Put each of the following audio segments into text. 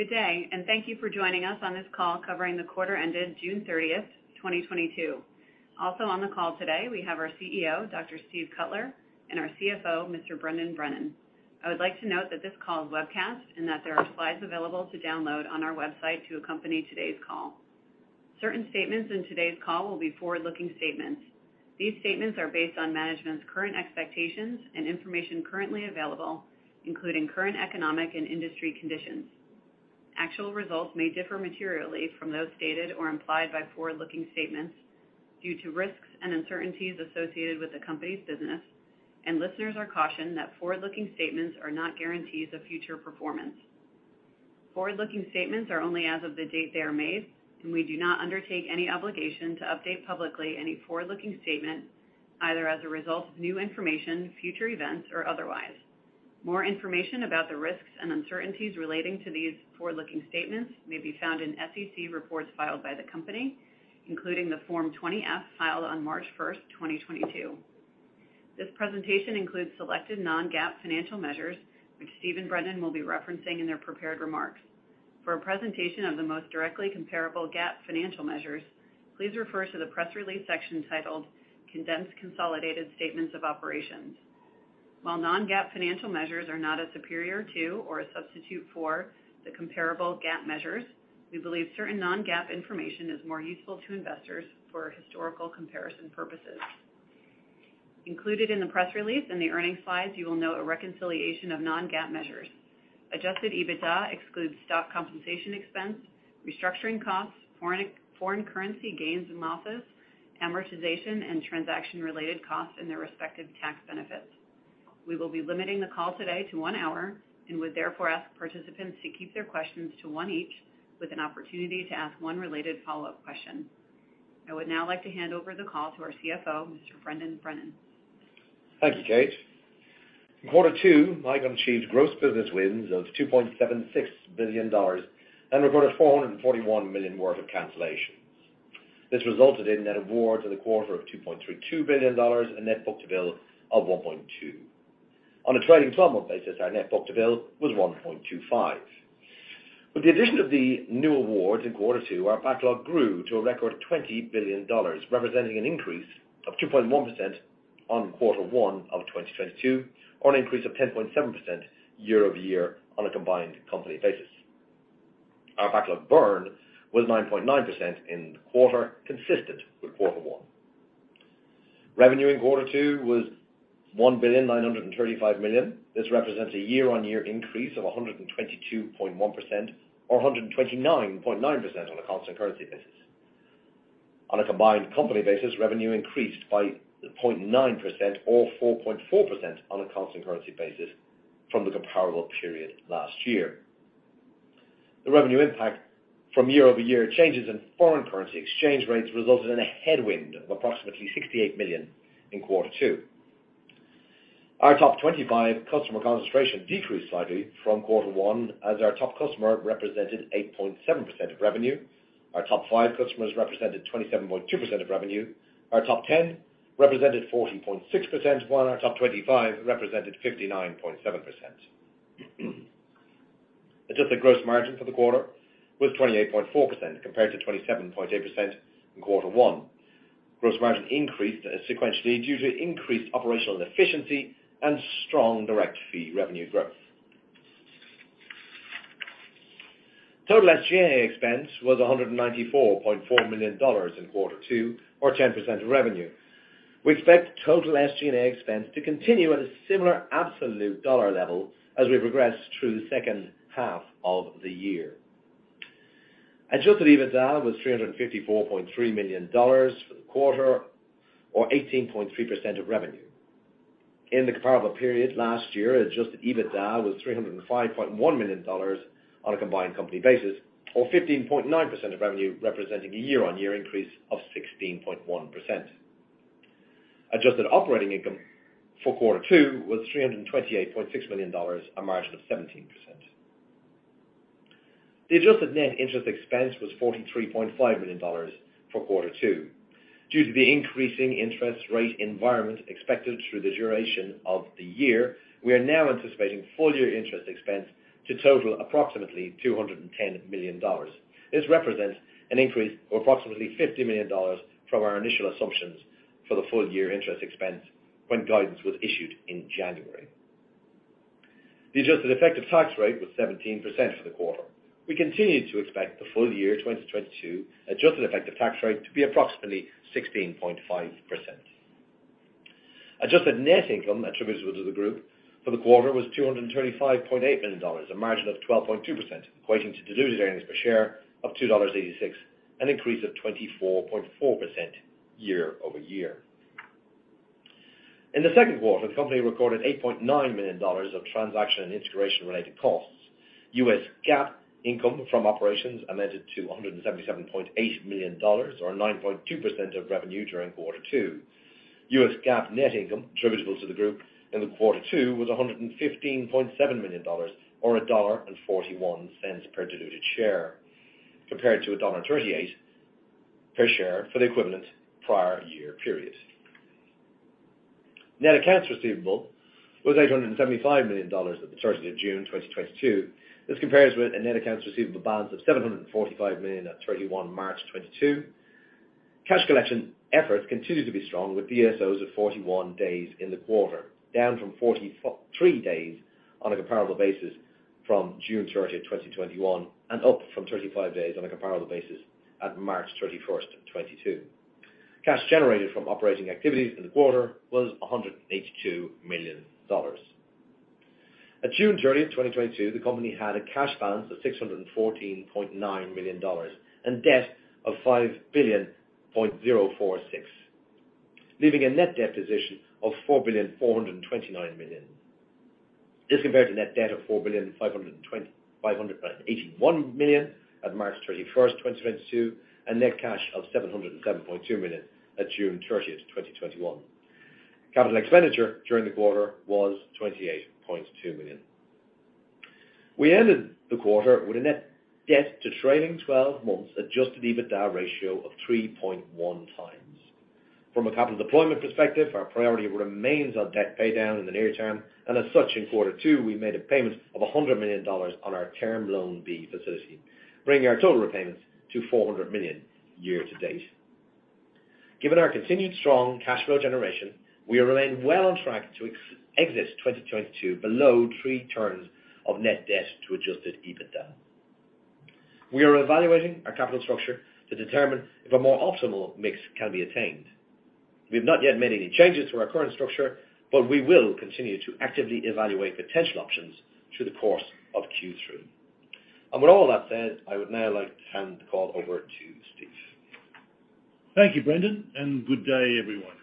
Good day, and thank you for joining us on this call covering the quarter ended June 30, 2022. Also on the call today, we have our CEO, Dr. Steve Cutler, and our CFO, Mr. Brendan Brennan. I would like to note that this call is webcast and that there are slides available to download on our website to accompany today's call. Certain statements in today's call will be forward-looking statements. These statements are based on management's current expectations and information currently available, including current economic and industry conditions. Actual results may differ materially from those stated or implied by forward-looking statements due to risks and uncertainties associated with the company's business, and listeners are cautioned that forward-looking statements are not guarantees of future performance. Forward-looking statements are only as of the date they are made, and we do not undertake any obligation to update publicly any forward-looking statement, either as a result of new information, future events, or otherwise. More information about the risks and uncertainties relating to these forward-looking statements may be found in SEC reports filed by the company, including the Form 20-F filed on March 1st, 2022. This presentation includes selected non-GAAP financial measures, which Steve and Brendan will be referencing in their prepared remarks. For a presentation of the most directly comparable GAAP financial measures, please refer to the press release section titled condensed consolidated statements of operations. While non-GAAP financial measures are not as superior to or a substitute for the comparable GAAP measures, we believe certain non-GAAP information is more useful to investors for historical comparison purposes. Included in the press release and the earnings slides, you will note a reconciliation of non-GAAP measures. Adjusted EBITDA excludes stock compensation expense, restructuring costs, foreign currency gains and losses, amortization, and transaction-related costs, and their respective tax benefits. We will be limiting the call today to one hour and would therefore ask participants to keep their questions to one each, with an opportunity to ask one related follow-up question. I would now like to hand over the call to our CFO, Mr. Brendan Brennan. Thank you, Kate. In quarter two, ICON achieved gross business wins of $2.76 billion and recorded $441 million worth of cancellations. This resulted in net awards in the quarter of $2.32 billion and a net book-to-bill of 1.2. On a trailing twelve-month basis, our net book-to-bill was 1.25. With the addition of the new awards in quarter two, our backlog grew to a record $20 billion, representing an increase of 2.1% on quarter one of 2022, or an increase of 10.7% year-over-year on a combined company basis. Our backlog burn was 9.9% in the quarter, consistent with quarter one. Revenue in quarter two was $1.935 billion. This represents a year-over-year increase of 122.1% or 129.9% on a constant currency basis. On a combined company basis, revenue increased by 0.9% or 4.4% on a constant currency basis from the comparable period last year. The revenue impact from year-over-year changes in foreign currency exchange rates resulted in a headwind of approximately $68 million in quarter two. Our top 25 customer concentration decreased slightly from quarter one, as our top customer represented 8.7% of revenue. Our top five customers represented 27.2% of revenue. Our top 10 represented 14.6%, while our top 25 represented 59.7%. Adjusted gross margin for the quarter was 28.4% compared to 27.8% in quarter one. Gross margin increased sequentially due to increased operational efficiency and strong direct fee revenue growth. Total SG&A expense was $194.4 million in quarter two or 10% of revenue. We expect total SG&A expense to continue at a similar absolute dollar level as we progress through the second half of the year. Adjusted EBITDA was $354.3 million for the quarter or 18.3% of revenue. In the comparable period last year, adjusted EBITDA was $305.1 million on a combined company basis or 15.9% of revenue, representing a year-on-year increase of 16.1%. Adjusted operating income for quarter two was $328.6 million, a margin of 17%. The adjusted net interest expense was $43.5 million for quarter two. Due to the increasing interest rate environment expected through the duration of the year, we are now anticipating full-year interest expense to total approximately $210 million. This represents an increase of approximately $50 million from our initial assumptions for the full-year interest expense when guidance was issued in January. The adjusted effective tax rate was 17% for the quarter. We continue to expect the full-year 2022 adjusted effective tax rate to be approximately 16.5%. Adjusted net income attributable to the group for the quarter was $235.8 million, a margin of 12.2%, equating to diluted earnings per share of $2.86, an increase of 24.4% year-over-year. In the second quarter, the company recorded $8.9 million of transaction and integration-related costs. US GAAP income from operations amounted to $177.8 million or 9.2% of revenue during quarter two. US GAAP net income attributable to the group in quarter two was $115.7 million or $1.41 per diluted share, compared to $1.38 per share for the equivalent prior year period. Net accounts receivable was $875 million at June 30, 2022. This compares with a net accounts receivable balance of $745 million at March 31, 2022. Cash collection efforts continue to be strong, with DSOs of 41 days in the quarter, down from 43 days on a comparable basis from June 30th, 2021, and up from 35 days on a comparable basis at March 31st, 2022. Cash generated from operating activities in the quarter was $182 million. At June 30th, 2022, the company had a cash balance of $614.9 million and debt of $5.046 billion, leaving a net debt position of $4.429 billion. This compared to net debt of $4.581 billion at March 31st, 2022, and net cash of $707.2 million at June 30th, 2021. Capital expenditure during the quarter was $28.2 million. We ended the quarter with a net debt to trailing 12 months adjusted EBITDA ratio of 3.1x. From a capital deployment perspective, our priority remains on debt pay down in the near term, and as such, in quarter two, we made a payment of $100 million on our Term Loan B facility, bringing our total repayments to $400 million year to date. Given our continued strong cash flow generation, we remain well on track to exit 2022 below three turns of net debt to adjusted EBITDA. We are evaluating our capital structure to determine if a more optimal mix can be attained. We have not yet made any changes to our current structure, but we will continue to actively evaluate potential options through the course of Q3. With all that said, I would now like to hand the call over to Steve Cutler. Thank you, Brendan, and good day, everyone.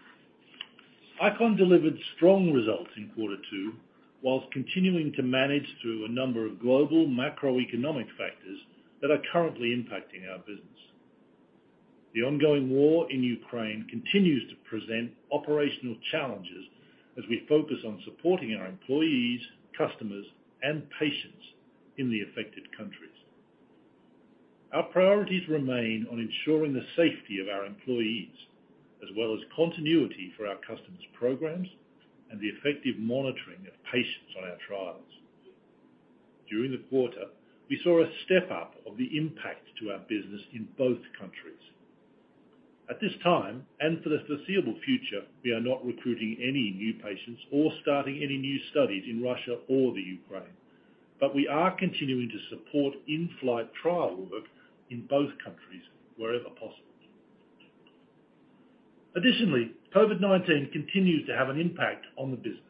ICON delivered strong results in quarter two while continuing to manage through a number of global macroeconomic factors that are currently impacting our business. The ongoing war in Ukraine continues to present operational challenges as we focus on supporting our employees, customers, and patients in the affected countries. Our priorities remain on ensuring the safety of our employees, as well as continuity for our customers' programs and the effective monitoring of patients on our trials. During the quarter, we saw a step-up of the impact to our business in both countries. At this time, and for the foreseeable future, we are not recruiting any new patients or starting any new studies in Russia or the Ukraine, but we are continuing to support in-flight trial work in both countries wherever possible. Additionally, COVID-19 continues to have an impact on the business.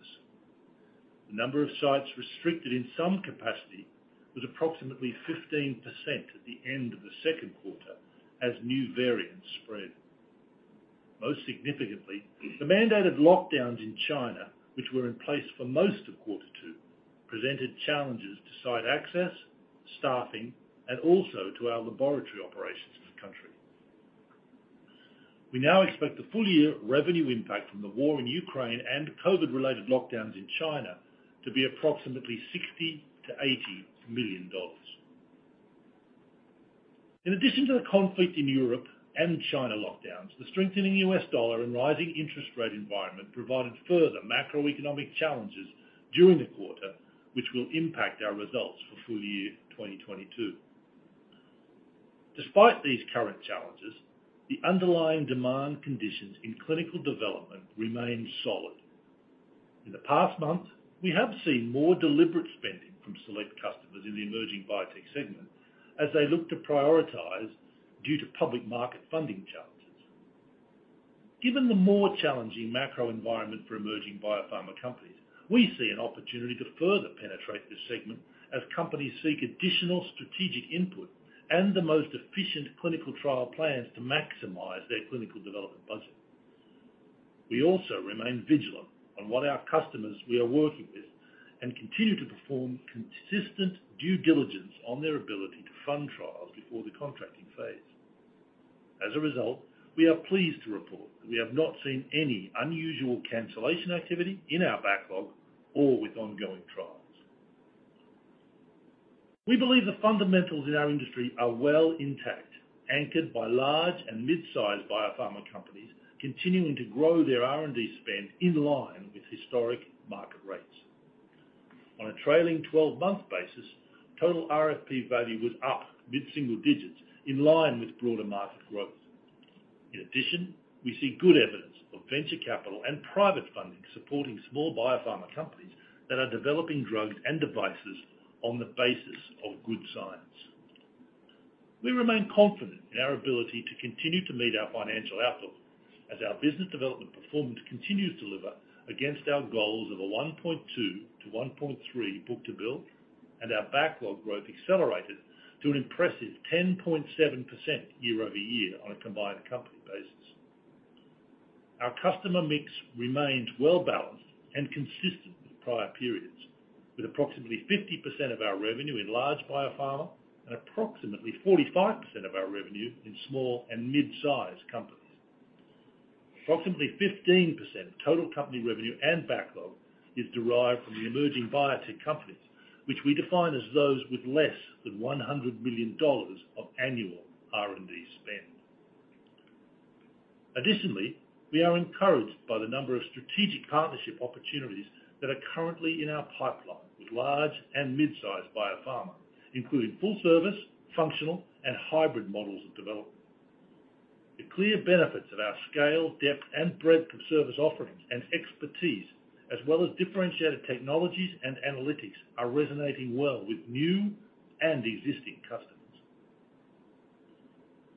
The number of sites restricted in some capacity was approximately 15% at the end of the second quarter as new variants spread. Most significantly, the mandated lockdowns in China, which were in place for most of quarter two, presented challenges to site access, staffing, and also to our laboratory operations in the country. We now expect the full-year revenue impact from the war in Ukraine and COVID-related lockdowns in China to be approximately $60 million-$80 million. In addition to the conflict in Europe and China lockdowns, the strengthening US dollar and rising interest rate environment provided further macroeconomic challenges during the quarter, which will impact our results for full year 2022. Despite these current challenges, the underlying demand conditions in clinical development remain solid. In the past month, we have seen more deliberate spending from select customers in the emerging biotech segment as they look to prioritize due to public market funding challenges. Given the more challenging macro environment for emerging biopharma companies, we see an opportunity to further penetrate this segment as companies seek additional strategic input and the most efficient clinical trial plans to maximize their clinical development budget. We also remain vigilant on what our customers we are working with and continue to perform consistent due diligence on their ability to fund trials before the contracting phase. As a result, we are pleased to report that we have not seen any unusual cancellation activity in our backlog or with ongoing trials. We believe the fundamentals in our industry are well intact, anchored by large and mid-sized biopharma companies continuing to grow their R&D spend in line with historic market rates. On a trailing twelve-month basis, total RFP value was up mid-single digits in line with broader market growth. In addition, we see good evidence of venture capital and private funding supporting small biopharma companies that are developing drugs and devices on the basis of good science. We remain confident in our ability to continue to meet our financial outlook as our business development performance continues to deliver against our goals of a 1.2-1.3 book-to-bill, and our backlog growth accelerated to an impressive 10.7% year-over-year on a combined company basis. Our customer mix remains well balanced and consistent with prior periods, with approximately 50% of our revenue in large biopharma and approximately 45% of our revenue in small and mid-size companies. Approximately 15% total company revenue and backlog is derived from the emerging biotech companies, which we define as those with less than $100 million of annual R&D spend. Additionally, we are encouraged by the number of strategic partnership opportunities that are currently in our pipeline with large and mid-sized biopharma, including full service, functional, and hybrid models of development. The clear benefits of our scale, depth, and breadth of service offerings and expertise, as well as differentiated technologies and analytics, are resonating well with new and existing customers.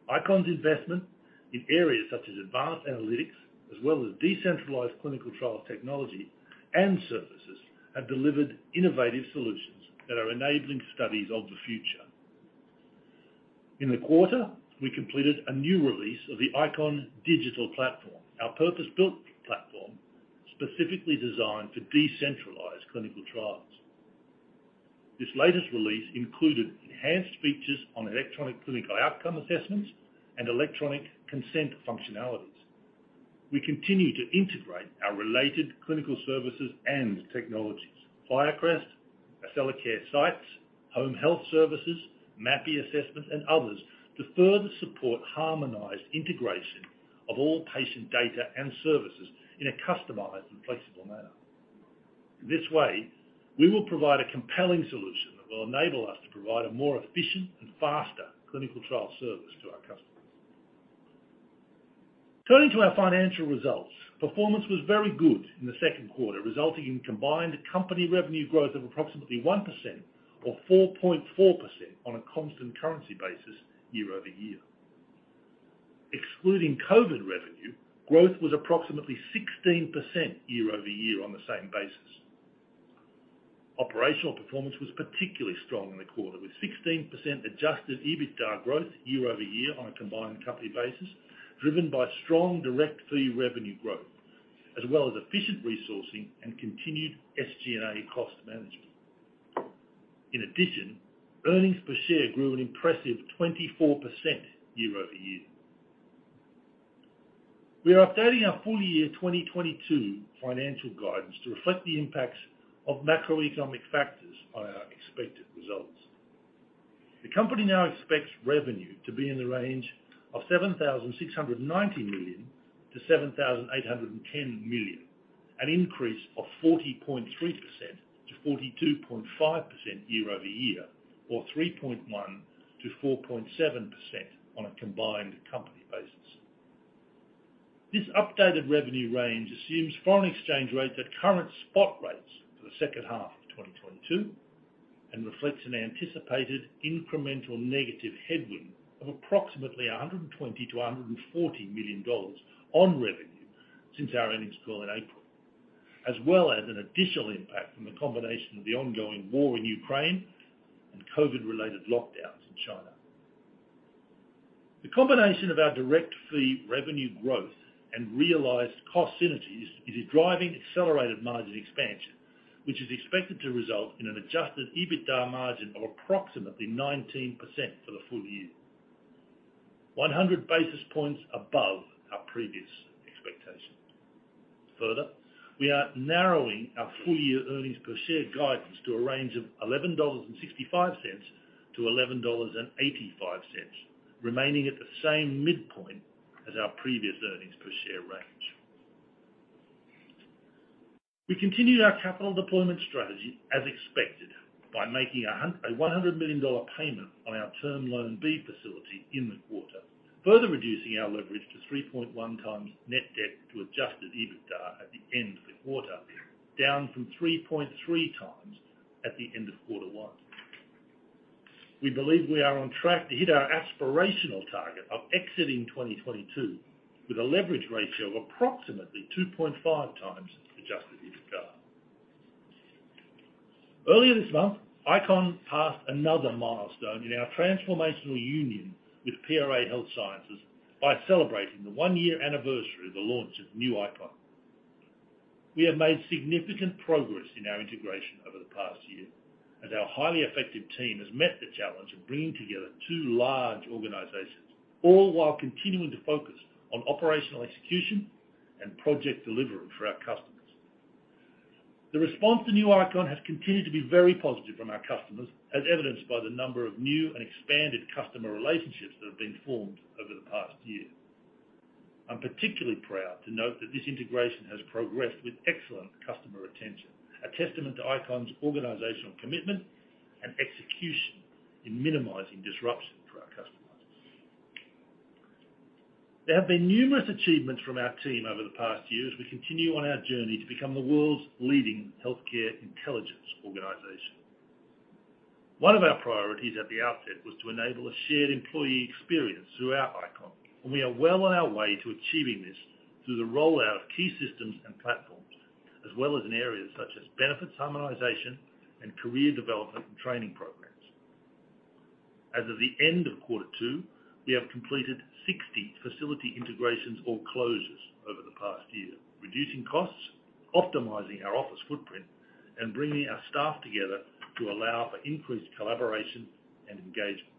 ICON's investment in areas such as advanced analytics, as well as decentralized clinical trial technology and services, have delivered innovative solutions that are enabling studies of the future. In the quarter, we completed a new release of the ICON Digital Platform, our purpose-built platform specifically designed to decentralize clinical trials. This latest release included enhanced features on electronic clinical outcome assessments and electronic consent functionalities. We continue to integrate our related clinical services and technologies, Firecrest, Accellacare sites, home health services, Mapi assessment, and others, to further support harmonized integration of all patient data and services in a customized and flexible manner. In this way, we will provide a compelling solution that will enable us to provide a more efficient and faster clinical trial service to our customers. Turning to our financial results, performance was very good in the second quarter, resulting in combined company revenue growth of approximately 1% or 4.4% on a constant currency basis year-over-year. Excluding COVID revenue, growth was approximately 16% year-over-year on the same basis. Operational performance was particularly strong in the quarter, with 16% adjusted EBITDA growth year-over-year on a combined company basis, driven by strong direct fee revenue growth as well as efficient resourcing and continued SG&A cost management. In addition, earnings per share grew an impressive 24% year-over-year. We are updating our full year 2022 financial guidance to reflect the impacts of macroeconomic factors on our expected results. The company now expects revenue to be in the range of $7,690 million-$7,810 million, an increase of 40.3%-42.5% year-over-year, or 3.1%-4.7% on a combined company basis. This updated revenue range assumes foreign exchange rates at current spot rates for the second half of 2022 and reflects an anticipated incremental negative headwind of approximately $120 million-$140 million on revenue since our earnings call in April, as well as an additional impact from the combination of the ongoing war in Ukraine and COVID-related lockdowns in China. The combination of our direct fee revenue growth and realized cost synergies is driving accelerated margin expansion, which is expected to result in an adjusted EBITDA margin of approximately 19% for the full year, 100 basis points above our previous expectations. Further, we are narrowing our full year earnings per share guidance to a range of $11.65-$11.85, remaining at the same midpoint as our previous earnings per share range. We continued our capital deployment strategy as expected by making a $100 million payment on our Term Loan B facility in the quarter, further reducing our leverage to 3.1x net debt to adjusted EBITDA at the end of the quarter, down from 3.3x at the end of quarter one. We believe we are on track to hit our aspirational target of exiting 2022 with a leverage ratio of approximately 2.5x adjusted EBITDA. Earlier this month, ICON passed another milestone in our transformational union with PRA Health Sciences by celebrating the one-year anniversary of the launch of new ICON. We have made significant progress in our integration over the past year, and our highly effective team has met the challenge of bringing together two large organizations, all while continuing to focus on operational execution and project delivery for our customers. The response to new ICON has continued to be very positive from our customers, as evidenced by the number of new and expanded customer relationships that have been formed over the past year. I'm particularly proud to note that this integration has progressed with excellent customer retention, a testament to ICON's organizational commitment and execution in minimizing disruption for our customers. There have been numerous achievements from our team over the past year as we continue on our journey to become the world's leading healthcare intelligence organization. One of our priorities at the outset was to enable a shared employee experience throughout ICON, and we are well on our way to achieving this through the rollout of key systems and platforms, as well as in areas such as benefits harmonization and career development and training programs. As of the end of quarter two, we have completed 60 facility integrations or closures over the past year, reducing costs, optimizing our office footprint, and bringing our staff together to allow for increased collaboration and engagement.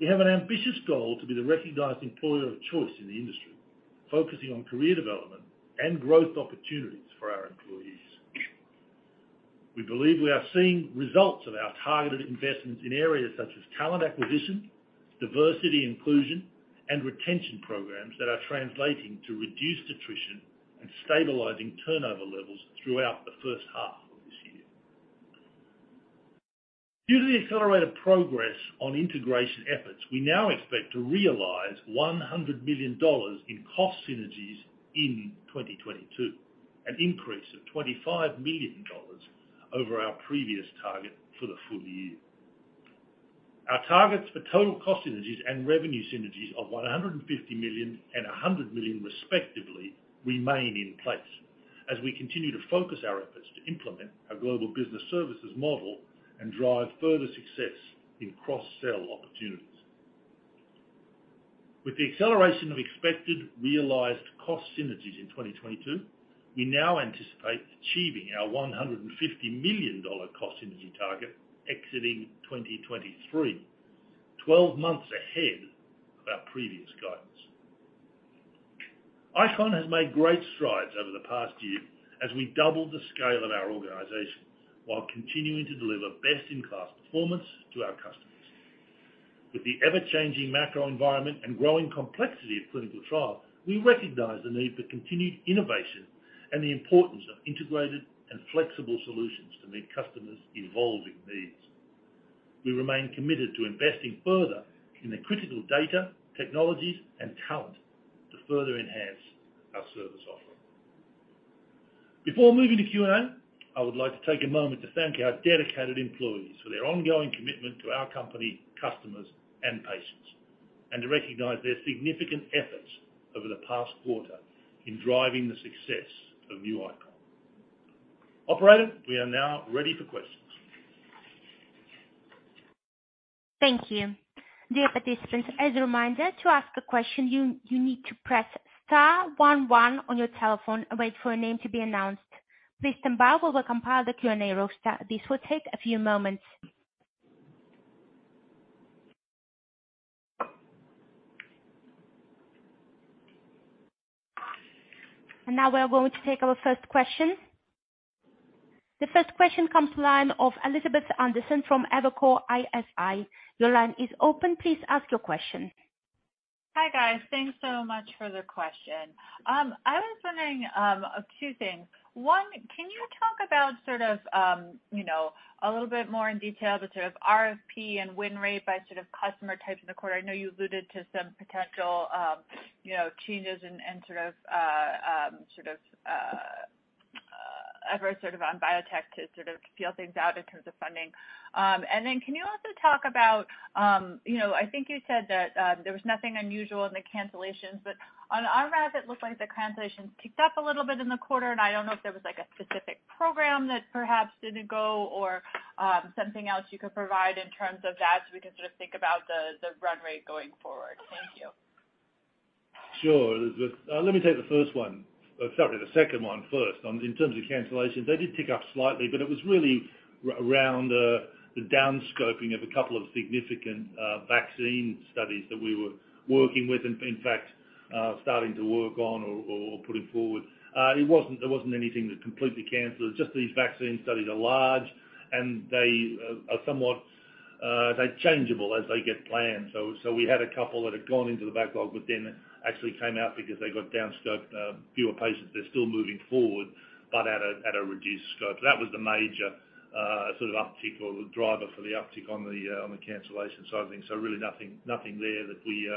We have an ambitious goal to be the recognized employer of choice in the industry, focusing on career development and growth opportunities for our employees. We believe we are seeing results of our targeted investments in areas such as talent acquisition, diversity inclusion, and retention programs that are translating to reduced attrition and stabilizing turnover levels throughout the first half of this year. Due to the accelerated progress on integration efforts, we now expect to realize $100 million in cost synergies in 2022, an increase of $25 million over our previous target for the full year. Our targets for total cost synergies and revenue synergies of $150 million and $100 million respectively remain in place as we continue to focus our efforts to implement our global business services model and drive further success in cross-sell opportunities. With the acceleration of expected realized cost synergies in 2022, we now anticipate achieving our $150 million cost synergy target exiting 2023, 12 months ahead of our previous guidance. ICON has made great strides over the past year as we doubled the scale of our organization while continuing to deliver best-in-class performance to our customers. With the ever-changing macro environment and growing complexity of clinical trials, we recognize the need for continued innovation and the importance of integrated and flexible solutions to meet customers' evolving needs. We remain committed to investing further in the critical data, technologies and talent to further enhance our service offering. Before moving to Q&A, I would like to take a moment to thank our dedicated employees for their ongoing commitment to our company, customers, and patients, and to recognize their significant efforts over the past quarter in driving the success of ICON plc. Operator, we are now ready for questions. Thank you. Dear participants, as a reminder, to ask a question you need to press star one one on your telephone and wait for a name to be announced. Please stand by while we compile the Q&A roster. This will take a few moments. Now we're going to take our first question. The first question comes from the line of Elizabeth Anderson from Evercore ISI. Your line is open. Please ask your question. Hi, guys. Thanks so much for the question. I was wondering two things. One, can you talk about sort of you know a little bit more in detail the sort of RFP and win rate by sort of customer type in the quarter? I know you alluded to some potential you know changes and sort of effort on biotech to sort of feel things out in terms of funding. Can you also talk about, you know, I think you said that there was nothing unusual in the cancellations, but on our math, it looked like the cancellations kicked up a little bit in the quarter, and I don't know if there was like a specific program that perhaps didn't go or, something else you could provide in terms of that, so we can sort of think about the run rate going forward? Thank you. Sure. Let me take the first one. Sorry, the second one first. In terms of cancellations, they did pick up slightly, but it was really around the down scoping of a couple of significant vaccine studies that we were working with and in fact starting to work on or putting forward. It wasn't. There wasn't anything that completely canceled. It's just these vaccine studies are large and they are somewhat changeable as they get planned. So we had a couple that had gone into the backlog, but then actually came out because they got down scoped, fewer patients. They're still moving forward, but at a reduced scope. That was the major sort of uptick or the driver for the uptick on the cancellation side of things. Really nothing there that we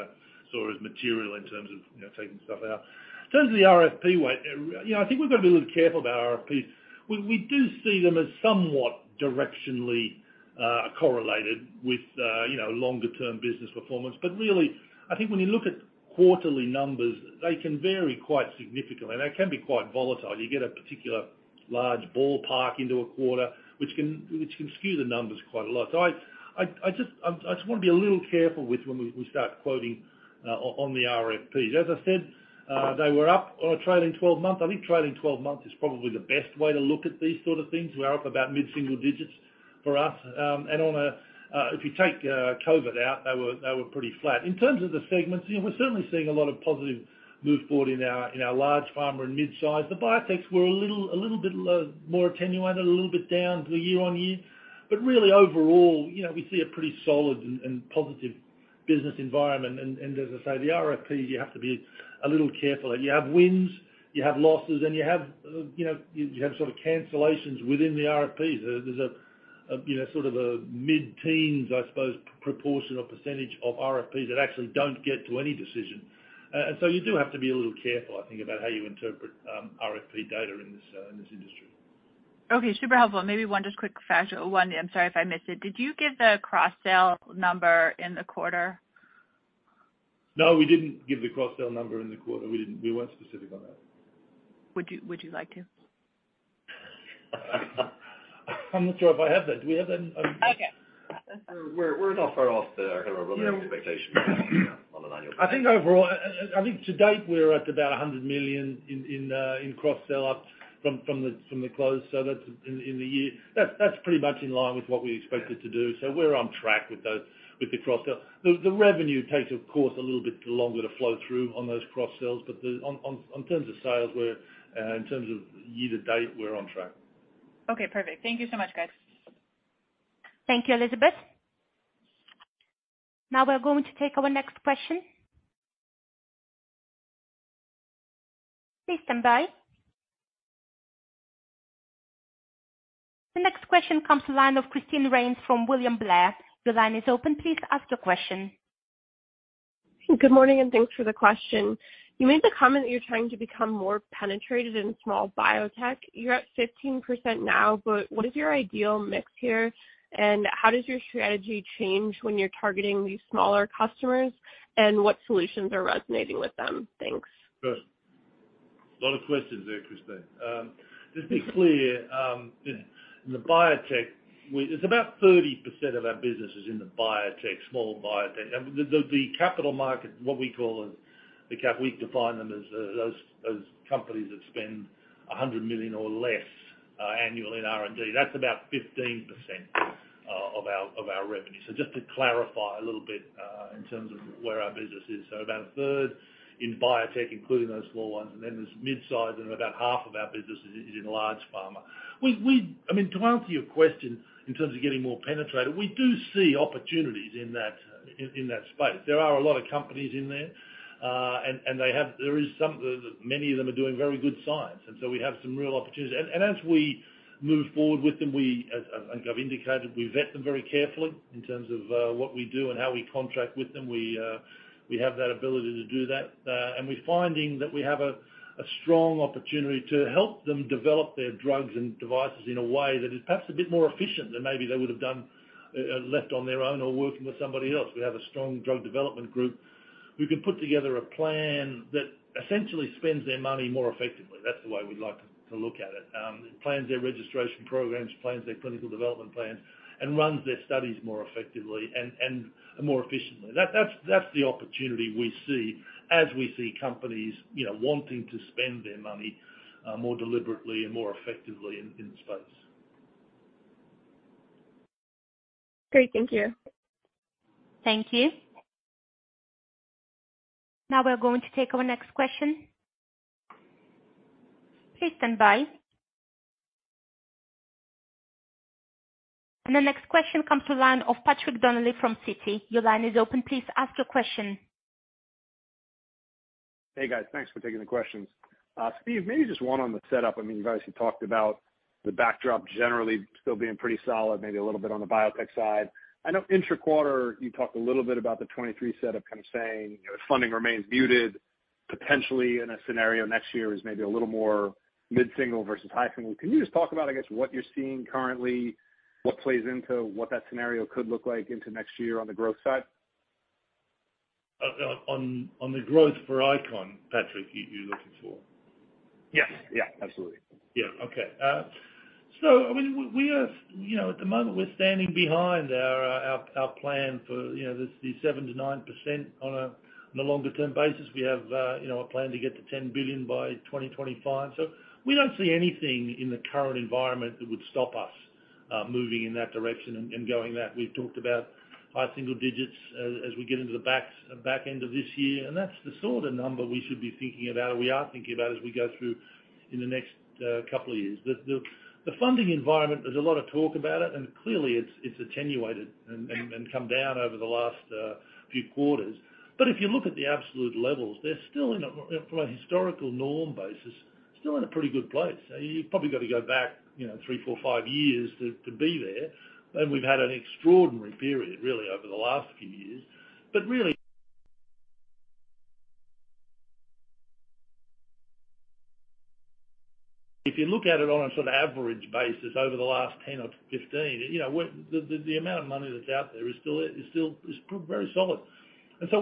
saw as material in terms of, you know, taking stuff out. In terms of the RFP way, you know, I think we've got to be a little careful about RFPs. We do see them as somewhat directionally correlated with, you know, longer-term business performance. Really, I think when you look at quarterly numbers, they can vary quite significantly, and they can be quite volatile. You get a particular large RFP into a quarter which can skew the numbers quite a lot. I just wanna be a little careful with when we start quoting on the RFPs. As I said, they were up on a trailing twelve-month. I think trailing twelve-month is probably the best way to look at these sort of things. We are up about mid-single digits for us. If you take COVID out, they were pretty flat. In terms of the segments, you know, we're certainly seeing a lot of positive move forward in our large pharma and mid-size. The biotechs were a little bit more attenuated, a little bit down year-over-year. Really overall, you know, we see a pretty solid and positive business environment. As I say, the RFPs, you have to be a little careful. You have wins, you have losses, and you have sort of cancellations within the RFPs. There's sort of a mid-teens, I suppose, proportion or percentage of RFPs that actually don't get to any decision. You do have to be a little careful, I think, about how you interpret RFP data in this industry. Okay. Super helpful. Maybe one just quick final one. I'm sorry if I missed it. Did you give the cross-sell number in the quarter? No, we didn't give the cross-sell number in the quarter. We didn't. We weren't specific on that. Would you like to? I'm not sure if I have that. Do we have that? Okay. We're not far off our kind of running expectation on an annual basis. I think overall, I think to date, we're at about $100 million in cross-sell ups from the close. That's in the year. That's pretty much in line with what we expected to do. We're on track with those, with the cross-sell. The revenue takes, of course, a little bit longer to flow through on those cross-sells. In terms of sales, we're in terms of year to date, we're on track. Okay, perfect. Thank you so much, guys. Thank you, Elizabeth. Now we're going to take our next question. Please stand by. The next question comes from the line of Christine Rains from William Blair. Your line is open. Please ask your question. Good morning, and thanks for the question. You made the comment that you're trying to become more penetrated in small biotech. You're at 15% now, but what is your ideal mix here? How does your strategy change when you're targeting these smaller customers? What solutions are resonating with them? Thanks. Sure. Lot of questions there, Christine. Just be clear, you know, the biotech, it's about 30% of our business is in the biotech, small biotech. The capital market, what we call the small cap, we define them as those companies that spend $100 million or less annually in R&D. That's about 15% of our revenue. Just to clarify a little bit, in terms of where our business is. About a third in biotech, including those small ones, and then there's mid-size and about half of our business is in large pharma. I mean, to answer your question in terms of getting more penetration, we do see opportunities in that space. There are a lot of companies in there, and many of them are doing very good science, so we have some real opportunities. As we move forward with them, as I think I've indicated, we vet them very carefully in terms of what we do and how we contract with them. We have that ability to do that. We're finding that we have a strong opportunity to help them develop their drugs and devices in a way that is perhaps a bit more efficient than maybe they would've done left on their own or working with somebody else. We have a strong drug development group. We can put together a plan that essentially spends their money more effectively. That's the way we like to look at it. plans their registration programs, plans their clinical development plans, and runs their studies more effectively and more efficiently. That's the opportunity we see as we see companies, you know, wanting to spend their money more deliberately and more effectively in the space. Great. Thank you. Thank you. Now we're going to take our next question. Please stand by. The next question comes from the line of Patrick Donnelly from Citi. Your line is open. Please ask your question. Hey, guys. Thanks for taking the questions. Steve, maybe just one on the setup. I mean, you guys have talked about the backdrop generally still being pretty solid, maybe a little bit on the biotech side. I know intra-quarter, you talked a little bit about the 2023 setup, kind of saying, you know, funding remains muted, potentially in a scenario next year is maybe a little more mid-single% versus high single%. Can you just talk about, I guess, what you're seeing currently, what plays into what that scenario could look like into next year on the growth side? On the growth for ICON, Patrick, you looking for? Yes. Yeah, absolutely. Yeah. Okay. I mean, we are, you know, at the moment we're standing behind our plan for, you know, the 7%-9% on a longer term basis. We have, you know, a plan to get to $10 billion by 2025. We don't see anything in the current environment that would stop us moving in that direction and going that. We've talked about high single digits as we get into the back end of this year, and that's the sort of number we should be thinking about or we are thinking about as we go through in the next couple of years. The funding environment, there's a lot of talk about it, and clearly it's attenuated and come down over the last few quarters. If you look at the absolute levels, they're still in a from a historical norm basis, still in a pretty good place. You probably got to go back, you know, three, four, five years to be there. We've had an extraordinary period really over the last few years. Really if you look at it on a sort of average basis over the last 10 or 15, you know, the amount of money that's out there is still pretty solid.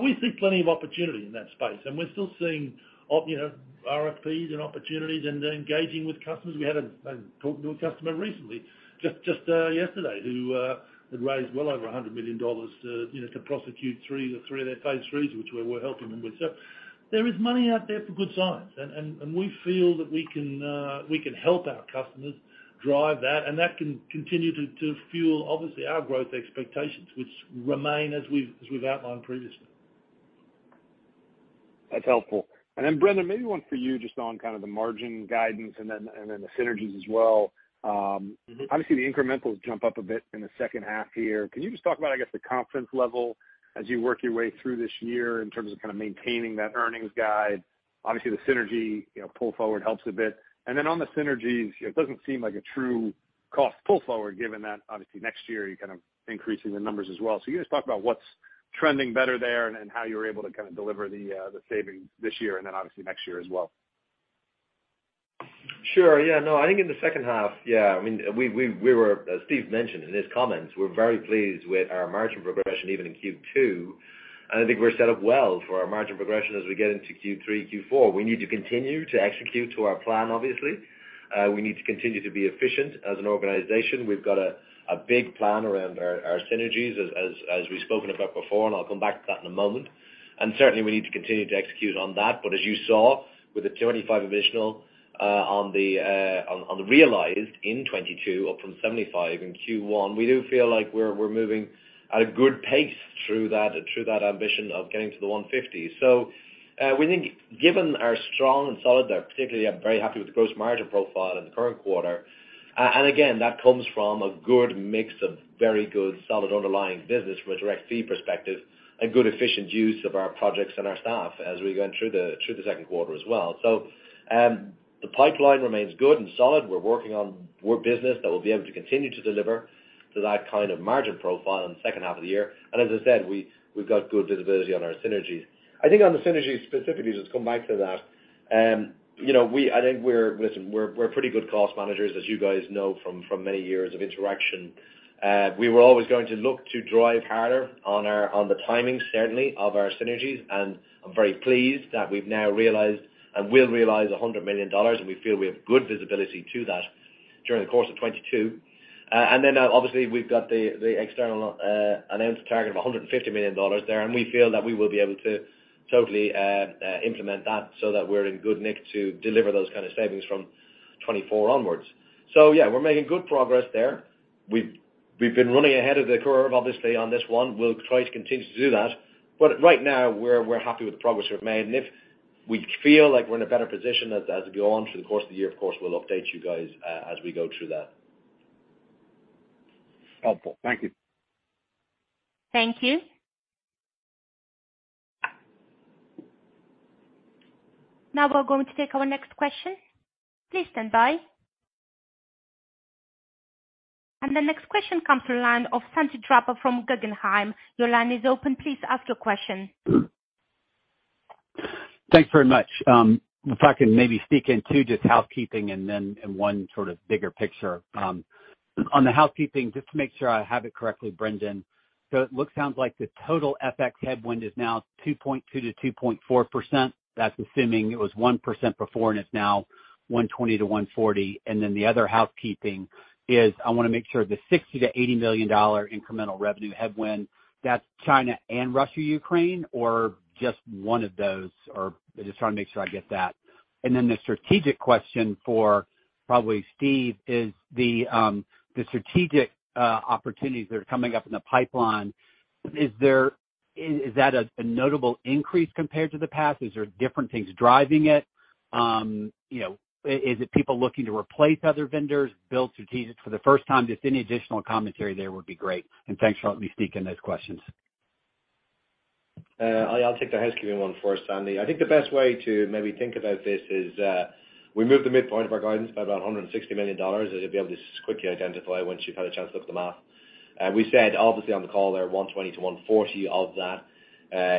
We see plenty of opportunity in that space. We're still seeing you know, RFPs and opportunities and engaging with customers. We had talked to a customer recently, just yesterday, who had raised well over $100 million to, you know, to prosecute three of their phase IIIs, which we're helping them with. There is money out there for good science. We feel that we can help our customers drive that, and that can continue to fuel obviously our growth expectations, which remain as we've outlined previously. That's helpful. Brendan, maybe one for you just on kind of the margin guidance and then the synergies as well. Mm-hmm. Obviously the incrementals jump up a bit in the second half here. Can you just talk about, I guess, the confidence level as you work your way through this year in terms of kind of maintaining that earnings guide? Obviously, the synergy, you know, pull forward helps a bit. Then on the synergies, it doesn't seem like a true cost pull forward given that obviously next year you're kind of increasing the numbers as well. Can you just talk about what's trending better there and how you're able to kind of deliver the savings this year and then obviously next year as well? Sure. Yeah, no. I think in the second half, yeah, I mean, we were, as Steve mentioned in his comments, we're very pleased with our margin progression even in Q2. I think we're set up well for our margin progression as we get into Q3, Q4. We need to continue to execute to our plan, obviously. We need to continue to be efficient as an organization. We've got a big plan around our synergies as we've spoken about before, and I'll come back to that in a moment. Certainly we need to continue to execute on that. As you saw with the 25 additional on the realized in 2022, up from 75 in Q1, we do feel like we're moving at a good pace through that ambition of getting to the 150. We think given our strong and solid, particularly I'm very happy with the gross margin profile in the current quarter. That comes from a good mix of very good solid underlying business from a direct fee perspective and good efficient use of our projects and our staff as we go through the second quarter as well. The pipeline remains good and solid. We're working on more business that we'll be able to continue to deliver to that kind of margin profile in the second half of the year. As I said, we've got good visibility on our synergies. I think on the synergies specifically, just come back to that, you know, I think we're pretty good cost managers, as you guys know from many years of interaction. We were always going to look to drive harder on the timing, certainly, of our synergies. I'm very pleased that we've now realized, and will realize, $100 million, and we feel we have good visibility to that during the course of 2022. Now obviously we've got the external announced target of $150 million there, and we feel that we will be able to totally implement that so that we're in good nick to deliver those kind of savings from 2024 onwards. Yeah, we're making good progress there. We've been running ahead of the curve, obviously, on this one. We'll try to continue to do that. Right now we're happy with the progress we've made. If we feel like we're in a better position as we go on through the course of the year, of course, we'll update you guys as we go through that. Helpful. Thank you. Thank you. Now we're going to take our next question. Please stand by. The next question comes to line of Sandy Draper from Guggenheim. Your line is open. Please ask your question. Thanks very much. If I can maybe speak into just housekeeping and then in one sort of bigger picture. On the housekeeping, just to make sure I have it correctly, Brendan, so it looks, sounds like the total FX headwind is now 2.2%-2.4%. That's assuming it was 1% before and is now 1.20%-1.40%. The other housekeeping is I wanna make sure the $60 million-$80 million incremental revenue headwind, that's China and Russia, Ukraine, or just one of those? Or I just wanna make sure I get that. The strategic question for probably Steve is the strategic opportunities that are coming up in the pipeline, is that a notable increase compared to the past? Is there different things driving it? You know, is it people looking to replace other vendors, build strategic for the first time? Just any additional commentary there would be great. Thanks for letting me speak in those questions. I'll take the housekeeping one first, Sandy. I think the best way to maybe think about this is, we moved the midpoint of our guidance by about $160 million, as you'll be able to quickly identify once you've had a chance to look at the math. We said obviously on the call there, $120-$140 of that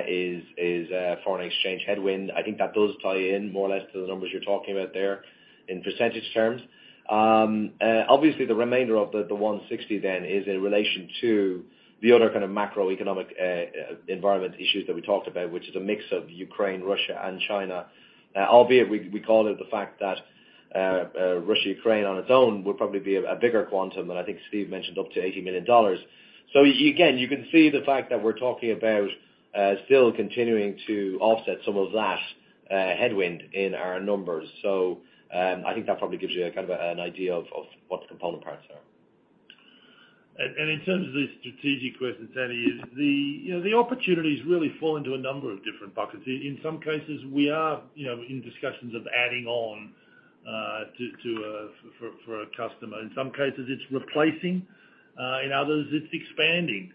is foreign exchange headwind. I think that does tie in more or less to the numbers you're talking about there in percentage terms. Obviously the remainder of the $160 then is in relation to the other kind of macroeconomic environment issues that we talked about, which is a mix of Ukraine, Russia and China. Albeit we call it the fact that Russia-Ukraine on its own would probably be a bigger quantum, and I think Steve mentioned up to $80 million. Yeah, again, you can see the fact that we're talking about still continuing to offset some of that headwind in our numbers. I think that probably gives you a kind of an idea of what the component parts are. In terms of the strategic question, Sandy, you know, the opportunities really fall into a number of different buckets. In some cases we are, you know, in discussions of adding on to for a customer. In some cases it's replacing, in others it's expanding,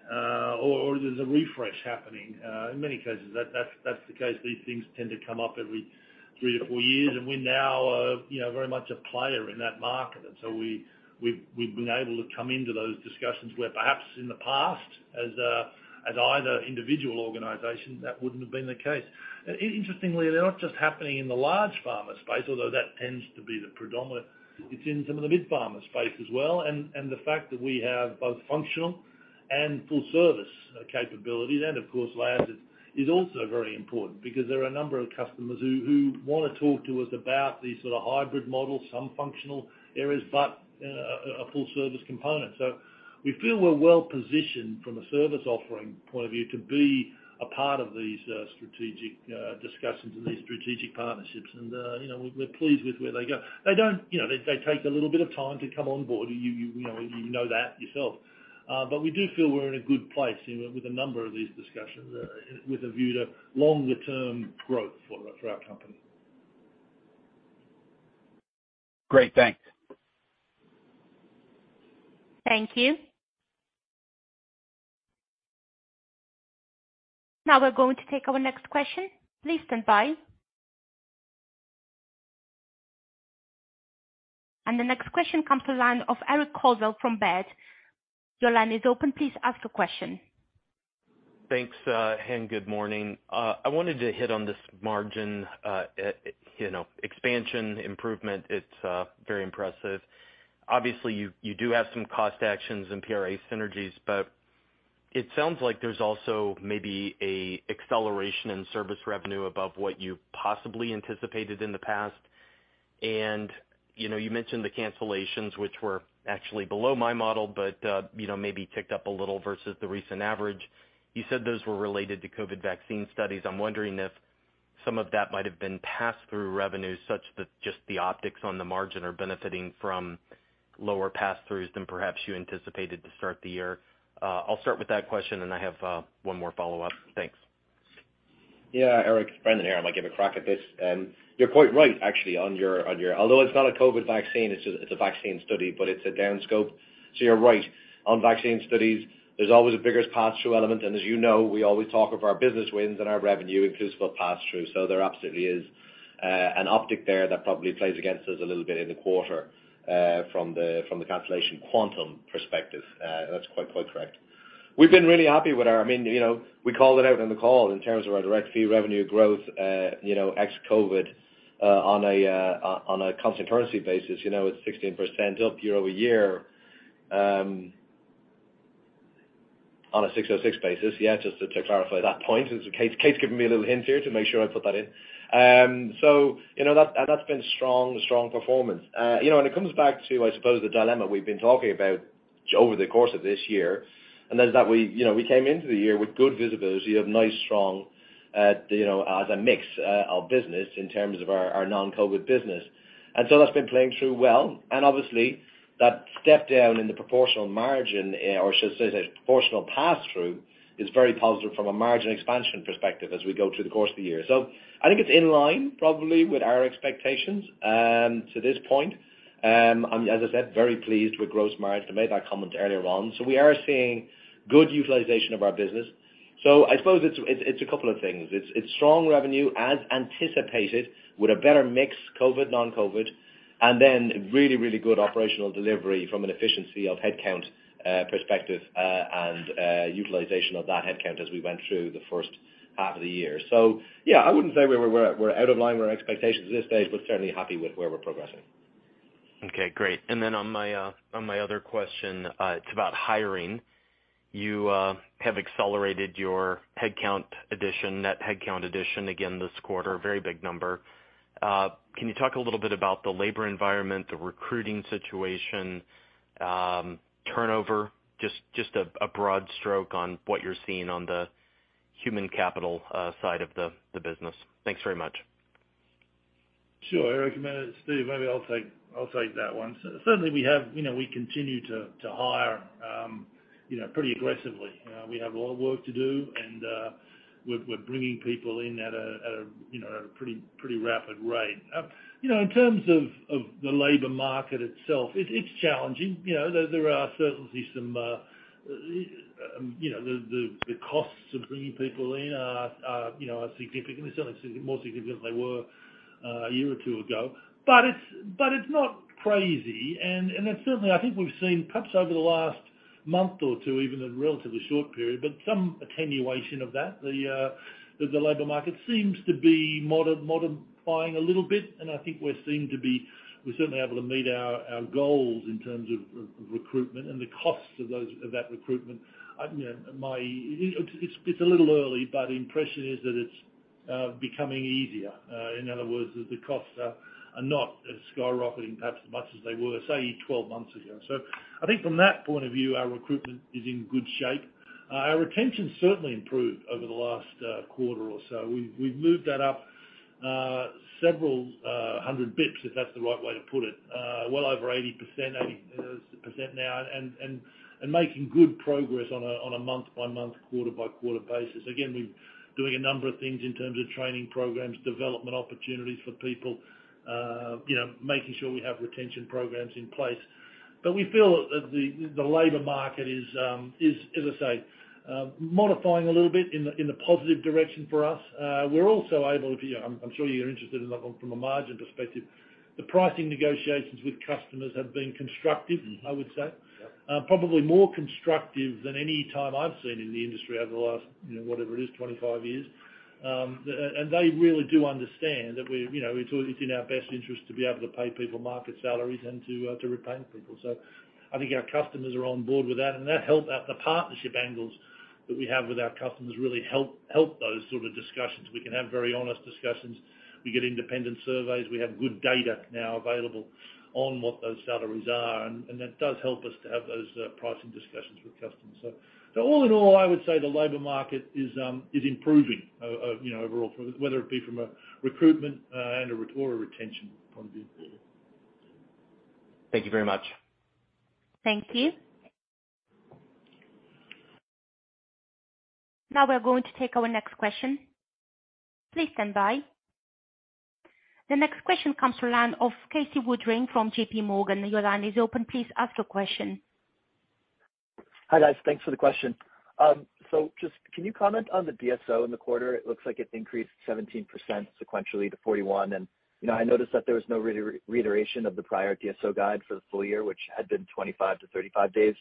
or there's a refresh happening. In many cases that's the case. These things tend to come up every three to four years, and we're now, you know, very much a player in that market. We've been able to come into those discussions where perhaps in the past as either individual organization, that wouldn't have been the case. Interestingly, they're not just happening in the large pharma space, although that tends to be the predominant. It's in some of the mid pharma space as well. The fact that we have both functional and full service capabilities and of course landed is also very important because there are a number of customers who wanna talk to us about these sort of hybrid models, some functional areas, but a full service component. We feel we're well positioned from a service offering point of view to be a part of these strategic discussions and these strategic partnerships. You know, we're pleased with where they go. They don't, you know, they take a little bit of time to come on board. You know that yourself. We do feel we're in a good place, you know, with a number of these discussions with a view to longer term growth for our company. Great. Thanks. Thank you. Now we're going to take our next question. Please stand by. The next question comes to line of Eric Coldwell from Baird. Your line is open. Please ask your question. Thanks, good morning. I wanted to hit on this margin, you know, expansion improvement. It's very impressive. Obviously, you do have some cost actions and PRA synergies, but it sounds like there's also maybe a acceleration in service revenue above what you possibly anticipated in the past. You know, you mentioned the cancellations, which were actually below my model, but you know, maybe ticked up a little versus the recent average. You said those were related to COVID vaccine studies. I'm wondering if some of that might have been pass-through revenues such that just the optics on the margin are benefiting from lower pass-throughs than perhaps you anticipated to start the year. I'll start with that question and I have one more follow-up. Thanks. Yeah, Eric, it's Brendan here. I might give a crack at this. You're quite right, actually, although it's not a COVID vaccine, it's a vaccine study, but it's a down scope. You're right. On vaccine studies, there's always the biggest pass-through element, and as you know, we always talk of our business wins and our revenue inclusive of pass-through. There absolutely is an optic there that probably plays against us a little bit in the quarter, from the cancellation quantum perspective. That's quite correct. We've been really happy with our I mean, you know, we called it out on the call in terms of our direct fee revenue growth, you know, ex-COVID, on a constant currency basis. You know, it's 16% up year-over-year on an ASC 606 basis. Yeah, just to clarify that point. It's Kate. Kate's giving me a little hint here to make sure I put that in. You know, that's been strong performance. You know, it comes back to, I suppose, the dilemma we've been talking about over the course of this year, and that is that we, you know, we came into the year with good visibility of nice, strong, you know, as a mix of business in terms of our non-COVID business. That's been playing through well. Obviously, that step down in the proportional margin, or should I say the proportional pass-through, is very positive from a margin expansion perspective as we go through the course of the year. I think it's in line probably with our expectations to this point. I'm, as I said, very pleased with gross margin. I made that comment earlier on. We are seeing good utilization of our business. I suppose it's a couple of things. It's strong revenue as anticipated with a better mix, COVID, non-COVID, and then really good operational delivery from an efficiency of headcount perspective, and utilization of that headcount as we went through the first half of the year. Yeah, I wouldn't say we're out of line with our expectations at this stage, but certainly happy with where we're progressing. Okay, great. On my other question, it's about hiring. You have accelerated your headcount addition, net headcount addition again this quarter, very big number. Can you talk a little bit about the labor environment, the recruiting situation, turnover? Just a broad stroke on what you're seeing on the human capital side of the business. Thanks very much. Sure, Eric. Steve, maybe I'll take that one. Certainly, we have you know, we continue to hire you know, pretty aggressively. We have a lot of work to do, and we're bringing people in at a you know, at a pretty rapid rate. You know, in terms of the labor market itself, it's challenging. You know, there are certainly some you know, the costs of bringing people in are significant. They're certainly more significant than they were a year or two ago. But it's not crazy, and it's certainly, I think, we've seen perhaps over the last month or two, even in a relatively short period, but some attenuation of that. The labor market seems to be modifying a little bit, and I think we're certainly able to meet our goals in terms of recruitment and the costs of that recruitment. You know, it's a little early, but my impression is that it's becoming easier. In other words, the costs are not as skyrocketing perhaps as much as they were, say, 12 months ago. I think from that point of view, our recruitment is in good shape. Our retention certainly improved over the last quarter or so. We've moved that up several hundred basis points, if that's the right way to put it. Well over 80% now and making good progress on a month-by-month, quarter-by-quarter basis. Again, we're doing a number of things in terms of training programs, development opportunities for people, you know, making sure we have retention programs in place. We feel that the labor market is, as I say, modifying a little bit in a positive direction for us. We're also able to. You know, I'm sure you're interested in that from a margin perspective. The pricing negotiations with customers have been constructive. Mm-hmm I would say. Yep. Probably more constructive than any time I've seen in the industry over the last, you know, whatever it is, 25 years. They really do understand that we, you know, it's always in our best interest to be able to pay people market salaries and to retain people. I think our customers are on board with that, and the partnership angles that we have with our customers really help those sort of discussions. We can have very honest discussions. We get independent surveys. We have good data now available on what those salaries are, and that does help us to have those pricing discussions with customers. All in all, I would say the labor market is improving, you know, overall from whether it be from a recruitment and a retention point of view. Thank you very much. Thank you. Now we're going to take our next question. Please stand by. The next question comes from the line of Casey Woodring from J.P. Morgan. Your line is open. Please ask your question. Hi, guys. Thanks for the question. Just can you comment on the DSO in the quarter? It looks like it increased 17% sequentially to 41%. You know, I noticed that there was no reiteration of the prior DSO guide for the full year, which had been 25-35 days.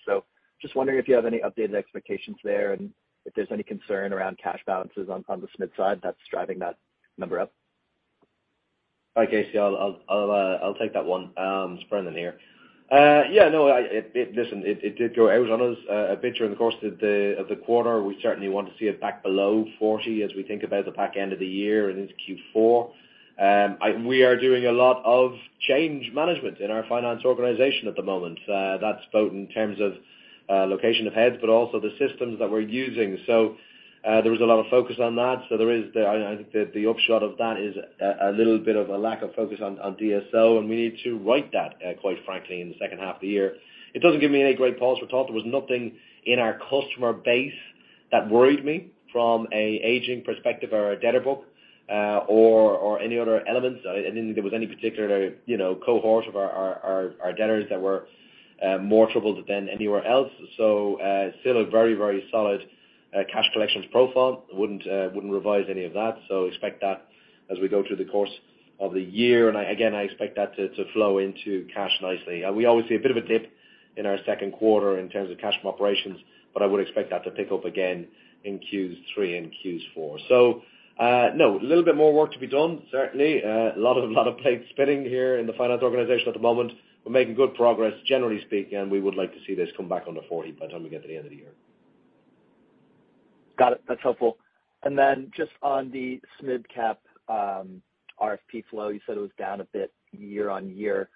Just wondering if you have any updated expectations there, and if there's any concern around cash balances on the small side that's driving that number up. Hi, Casey. I'll take that one. It's Brendan here. Listen, it did go out on us a bit during the course of the quarter. We certainly want to see it back below 40% as we think about the back end of the year and into Q4. We are doing a lot of change management in our finance organization at the moment. That's both in terms of location of heads, but also the systems that we're using. So there was a lot of focus on that. I think that the upshot of that is a little bit of a lack of focus on DSO, and we need to right that, quite frankly, in the second half of the year. It doesn't give me any great pause for thought. There was nothing in our customer base that worries me from a aging perspective or a debtor book, or any other elements. I didn't think there was any particular, you know, cohort of our debtors that were more troubled than anywhere else. Still a very, very solid cash collections profile. Wouldn't revise any of that. Expect that as we go through the course of the year. Again, I expect that to flow into cash nicely. We always see a bit of a dip in our second quarter in terms of cash from operations, but I would expect that to pick up again in Q3 and Q4. No, a little bit more work to be done, certainly. A lot of plates spinning here in the finance organization at the moment. We're making good progress, generally speaking, and we would like to see this come back under 40% by the time we get to the end of the year. Got it. That's helpful. Just on the SMidCap RFP flow, you said it was down a bit year-over-year.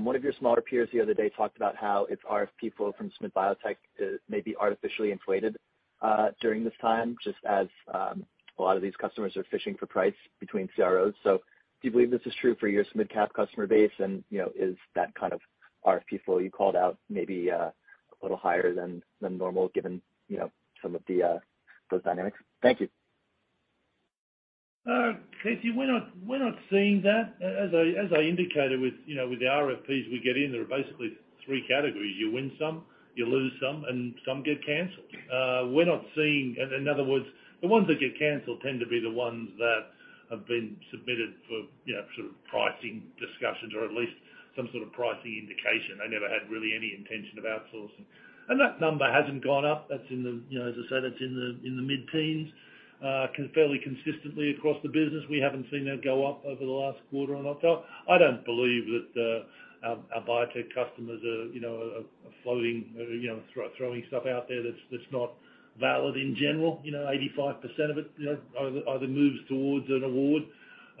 One of your smaller peers the other day talked about how its RFP flow from SMid biotech is maybe artificially inflated during this time, just as a lot of these customers are fishing for price between CROs. Do you believe this is true for your SMidCap customer base? You know, is that kind of RFP flow you called out maybe a little higher than normal given you know some of those dynamics? Thank you. Casey, we're not seeing that. As I indicated with, you know, the RFPs we get in, there are basically three categories. You win some, you lose some, and some get canceled. We're not seeing. In other words, the ones that get canceled tend to be the ones that have been submitted for, you know, sort of pricing discussions or at least some sort of pricing indication. They never had really any intention of outsourcing. That number hasn't gone up. That's in the, you know, as I said, it's in the mid-teens fairly consistently across the business. We haven't seen that go up over the last quarter or not. I don't believe that our biotech customers are, you know, floating, you know, throwing stuff out there that's not valid in general. You know, 85% of it, you know, either moves towards an award,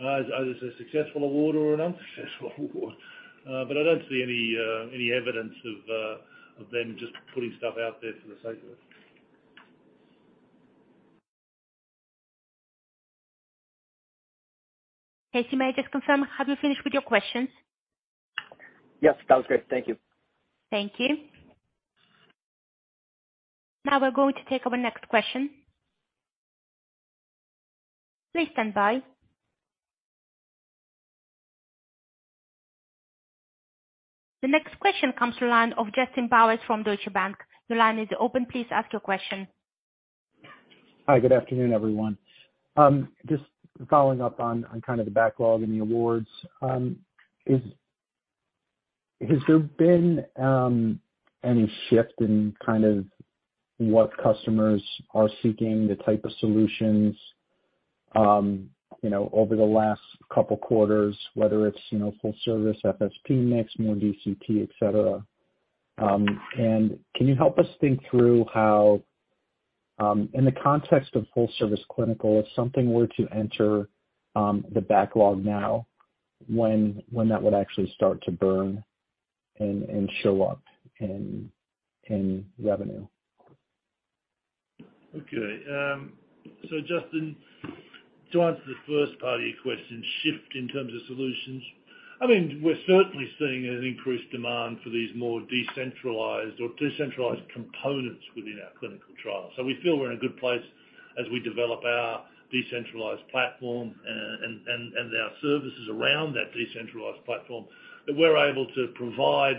either it's a successful award or an unsuccessful award. I don't see any evidence of them just putting stuff out there for the sake of it. Casey, may I just confirm, have you finished with your questions? Yes, that was great. Thank you. Thank you. Now we're going to take our next question. Please stand by. The next question comes from line of Justin Bowers from Deutsche Bank. Your line is open. Please ask your question. Hi, good afternoon, everyone. Just following up on kind of the backlog and the awards. Has there been any shift in kind of what customers are seeking, the type of solutions, you know, over the last couple quarters, whether it's, you know, full service FSP mix, more DCT, et cetera? Can you help us think through how, in the context of full service clinical, if something were to enter the backlog now, when that would actually start to burn and show up in revenue? Okay, Justin, to answer the first part of your question, shift in terms of solutions, I mean, we're certainly seeing an increased demand for these more decentralized components within our clinical trials. We feel we're in a good place as we develop our decentralized platform and our services around that decentralized platform that we're able to provide,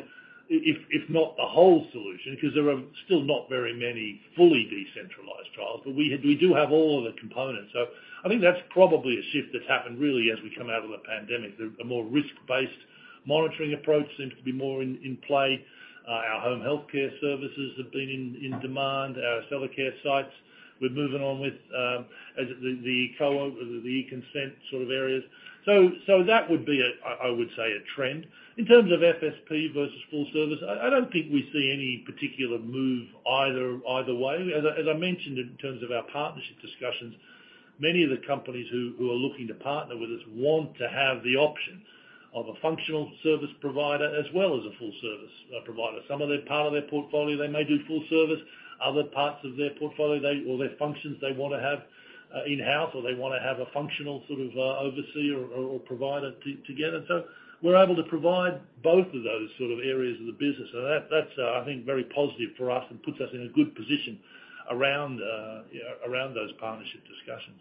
if not the whole solution, because there are still not very many fully decentralized trials, but we have all of the components. I think that's probably a shift that's happened really as we come out of the pandemic. The more risk-based monitoring approach seems to be more in play. Our home healthcare services have been in demand. Our Accellacare sites. We're moving on with the e-consent sort of areas. that would be a, I would say, a trend. In terms of FSP versus full service, I don't think we see any particular move either way. As I mentioned in terms of our partnership discussions, many of the companies who are looking to partner with us want to have the option of a functional service provider as well as a full service provider. Some part of their portfolio, they may do full service. Other parts of their portfolio, or their functions they wanna have in-house or they wanna have a functional sort of overseer or provided together. We're able to provide both of those sort of areas of the business. That's, I think, very positive for us and puts us in a good position around those partnership discussions.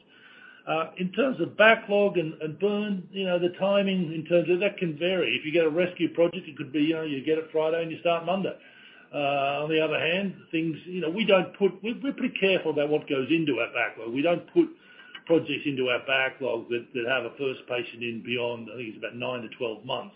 In terms of backlog and burn, you know, the timing in terms of that can vary. If you get a rescue project, it could be, you know, you get it Friday and you start Monday. On the other hand, we're pretty careful about what goes into our backlog. We don't put projects into our backlog that have a first patient in beyond, I think it's about 9-12 months.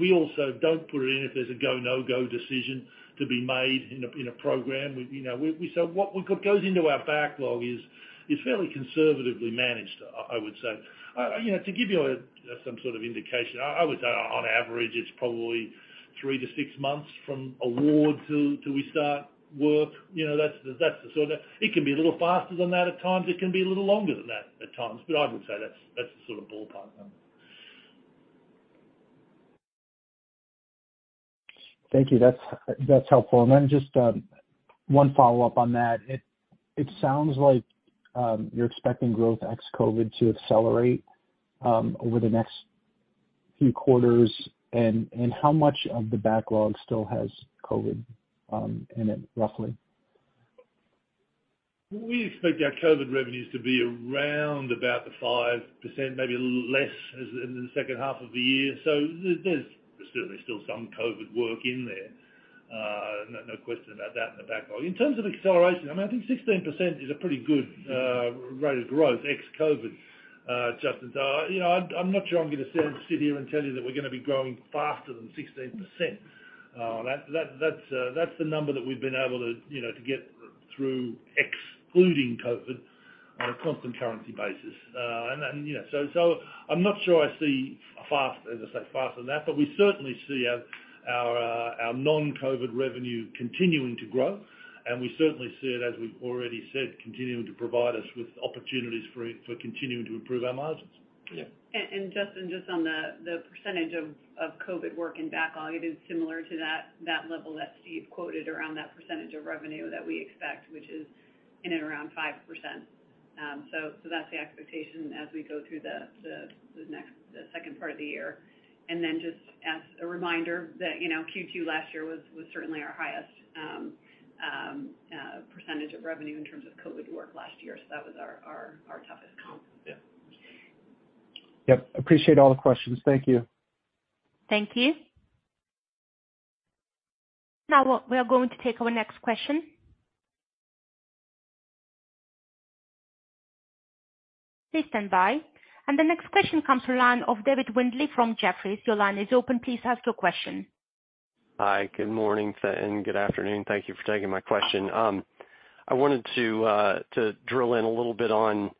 We also don't put it in if there's a go-no-go decision to be made in a program. What goes into our backlog is fairly conservatively managed, I would say. You know, to give you some sort of indication, I would say on average, it's probably 3-6 months from award till we start work. It can be a little faster than that at times. It can be a little longer than that at times. I would say that's the sort of ballpark number. Thank you. That's helpful. Just one follow-up on that. It sounds like you're expecting growth ex-COVID to accelerate over the next few quarters, and how much of the backlog still has COVID in it, roughly? We expect our COVID revenues to be around about the 5%, maybe a little less as in the second half of the year. There's certainly still some COVID work in there. No question about that in the backlog. In terms of acceleration, I mean, I think 16% is a pretty good rate of growth ex-COVID, Justin. You know, I'm not sure I'm gonna sit here and tell you that we're gonna be growing faster than 16%. That's the number that we've been able to, you know, to get through excluding COVID on a constant currency basis. And, you know. I'm not sure I see as fast, as I say, faster than that, but we certainly see our non-COVID revenue continuing to grow, and we certainly see it, as we've already said, continuing to provide us with opportunities for continuing to improve our margins. Yeah. Justin, just on the percentage of COVID work in backlog, it is similar to that level that Steve quoted around that percentage of revenue that we expect, which is in and around 5%. So that's the expectation as we go through the second part of the year. Just as a reminder that, you know, Q2 last year was certainly our highest percentage of revenue in terms of COVID work last year. So that was our toughest comp. Yeah. Yep. Appreciate all the questions. Thank you. Thank you. Now we are going to take our next question. Please stand by. The next question comes to line of David Windley from Jefferies. Your line is open. Please ask your question. Hi. Good morning and good afternoon. Thank you for taking my question. I wanted to drill in a little bit on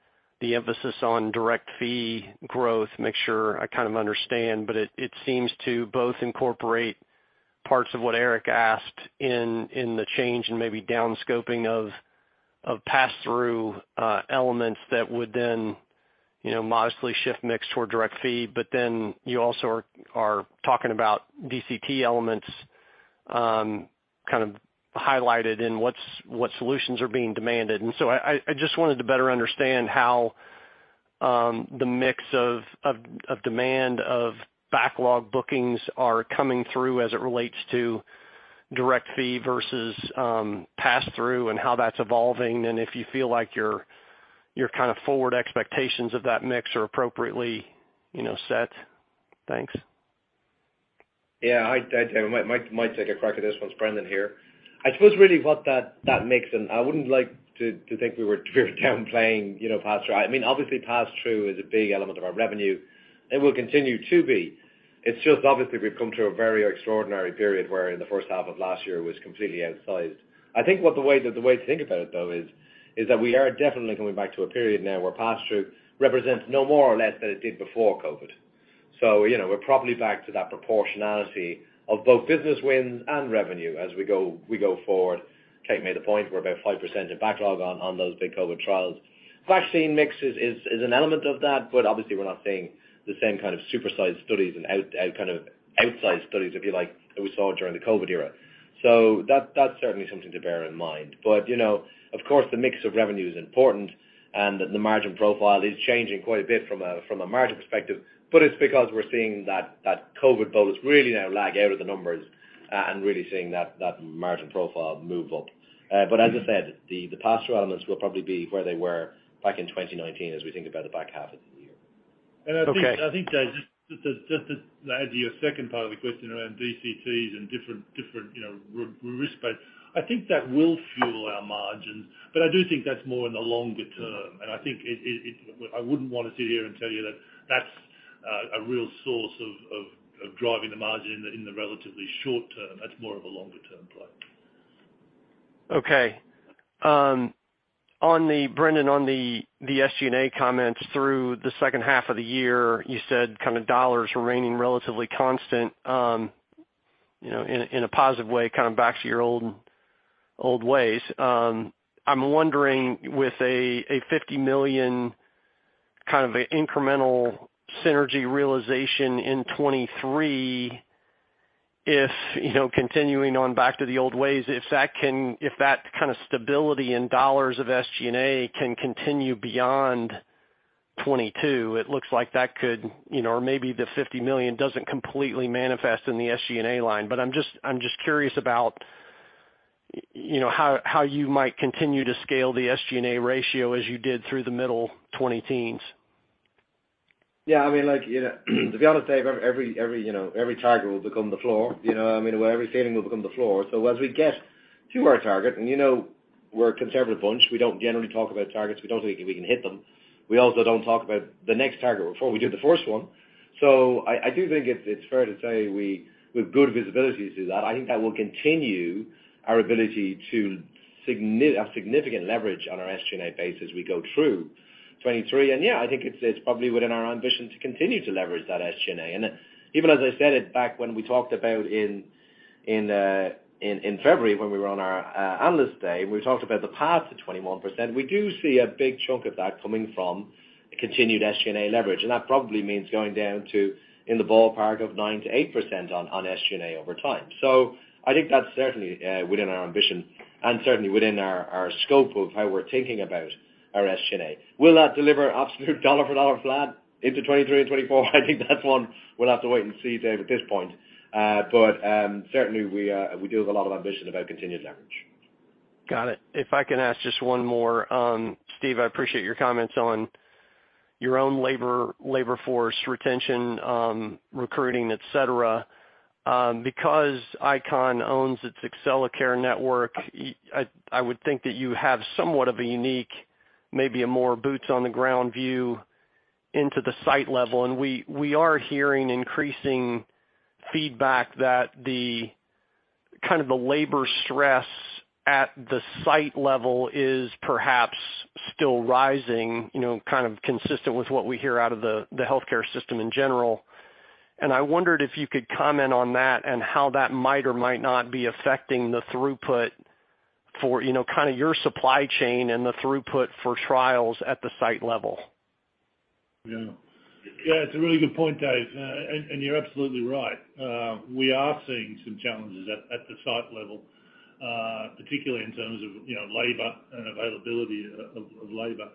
the emphasis on direct fee growth, make sure I kind of understand, but it seems to both incorporate parts of what Eric asked in the change and maybe down scoping of pass-through elements that would then, you know, modestly shift mix toward direct fee. Then you also are talking about DCT elements, kind of highlighted in what solutions are being demanded. I just wanted to better understand how the mix of demand of backlog bookings are coming through as it relates to direct fee versus pass-through and how that's evolving, and if you feel like your kind of forward expectations of that mix are appropriately, you know, set. Thanks. Yeah. I might take a crack at this one. It's Brendan here. I suppose really what that makes then I wouldn't like to think we were very downplaying, you know, pass through. I mean, obviously pass through is a big element of our revenue, and will continue to be. It's just obviously we've come through a very extraordinary period where in the first half of last year was completely outsized. I think the way to think about it though is that we are definitely coming back to a period now where pass through represents no more or less than it did before COVID. You know, we're probably back to that proportionality of both business wins and revenue as we go forward. Kate made a point, we're about 5% of backlog on those big COVID trials. Vaccine mix is an element of that, but obviously we're not seeing the same kind of super-sized studies and outsized studies, if you like, that we saw during the COVID era. That's certainly something to bear in mind. You know, of course, the mix of revenue is important, and the margin profile is changing quite a bit from a margin perspective, but it's because we're seeing that COVID boost really now lagging out of the numbers and really seeing that margin profile move up. As I said, the pass-through elements will probably be where they were back in 2019 as we think about the back half of the year. Okay. I think Dave, just to add to your second part of the question around DCTs and different, you know, risk-based, I think that will fuel our margins. But I do think that's more in the longer term. I think it. I wouldn't want to sit here and tell you that that's a real source of driving the margin in the relatively short term. That's more of a longer term play. Okay. Brendan, on the SG&A comments through the second half of the year, you said kind of dollars remaining relatively constant, you know, in a positive way, kind of back to your old ways. I'm wondering with a $50 million kind of incremental synergy realization in 2023, if you know, continuing on back to the old ways, if that can, if that kind of stability in dollars of SG&A can continue beyond 2022, it looks like that could, you know, or maybe the $50 million doesn't completely manifest in the SG&A line. But I'm just curious about, you know, how you might continue to scale the SG&A ratio as you did through the mid-2010s. Yeah, I mean, like, you know, to be honest, David, every target will become the floor. You know what I mean? Every ceiling will become the floor. As we get to our target, and you know we're a conservative bunch, we don't generally talk about targets we don't think we can hit them. We also don't talk about the next target before we do the first one. I do think it's fair to say we, with good visibility to do that, I think that will continue our ability to have significant leverage on our SG&A base as we go through 2023. Yeah, I think it's probably within our ambition to continue to leverage that SG&A. Even as I said it back when we talked about it in February when we were on our analyst day, we talked about the path to 21%. We do see a big chunk of that coming from continued SG&A leverage, and that probably means going down to in the ballpark of 9%-8% on SG&A over time. I think that's certainly within our ambition and certainly within our scope of how we're thinking about our SG&A. Will that deliver absolute dollar for dollar flat into 2023 and 2024? I think that's one we'll have to wait and see, Dave, at this point. Certainly we deal with a lot of ambition about continued leverage. Got it. If I can ask just one more. Steve, I appreciate your comments on your own labor force, retention, recruiting, et cetera. Because ICON owns its Accellacare network, I would think that you have somewhat of a unique, maybe a more boots on the ground view into the site level. We are hearing increasing feedback that the labor stress at the site level is perhaps still rising, you know, kind of consistent with what we hear out of the healthcare system in general. I wondered if you could comment on that and how that might or might not be affecting the throughput for, you know, kinda your supply chain and the throughput for trials at the site level. Yeah. Yeah, it's a really good point, Dave. You're absolutely right. We are seeing some challenges at the site level, particularly in terms of, you know, labor and availability of labor.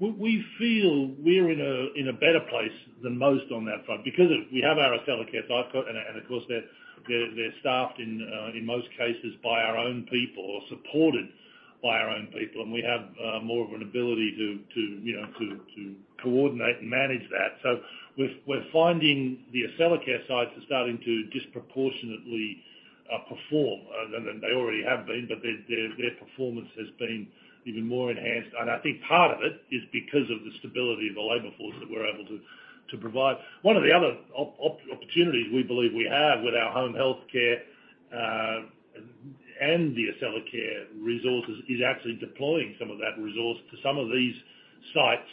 We feel we're in a better place than most on that front because we have our Accellacare sites, and of course, they're staffed in most cases by our own people or supported by our own people. We have more of an ability to, you know, to coordinate and manage that. We're finding the Accellacare sites are starting to disproportionately perform. They already have been, but their performance has been even more enhanced. I think part of it is because of the stability of the labor force that we're able to provide. One of the other opportunities we believe we have with our home healthcare and the Accellacare resources is actually deploying some of that resource to some of these sites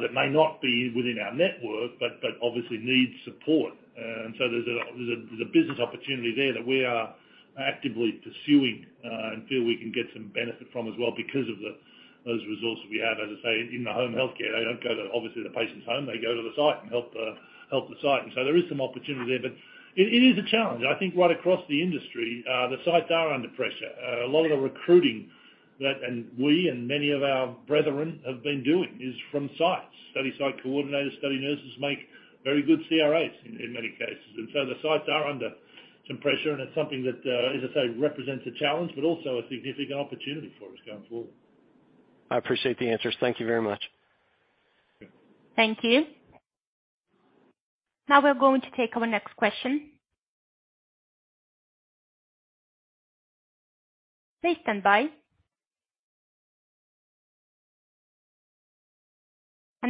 that may not be within our network, but obviously need support. There's a business opportunity there that we are actively pursuing and feel we can get some benefit from as well because of those resources we have. As I say, in the home healthcare, they don't go to obviously the patient's home, they go to the site and help the site. There is some opportunity there, but it is a challenge. I think right across the industry, the sites are under pressure. A lot of the recruiting that we and many of our brethren have been doing is from sites. Study site coordinators, study nurses make very good CRAs in many cases. The sites are under some pressure, and it's something that, as I say, represents a challenge but also a significant opportunity for us going forward. I appreciate the answers. Thank you very much. Yeah. Thank you. Now we're going to take our next question. Please stand by.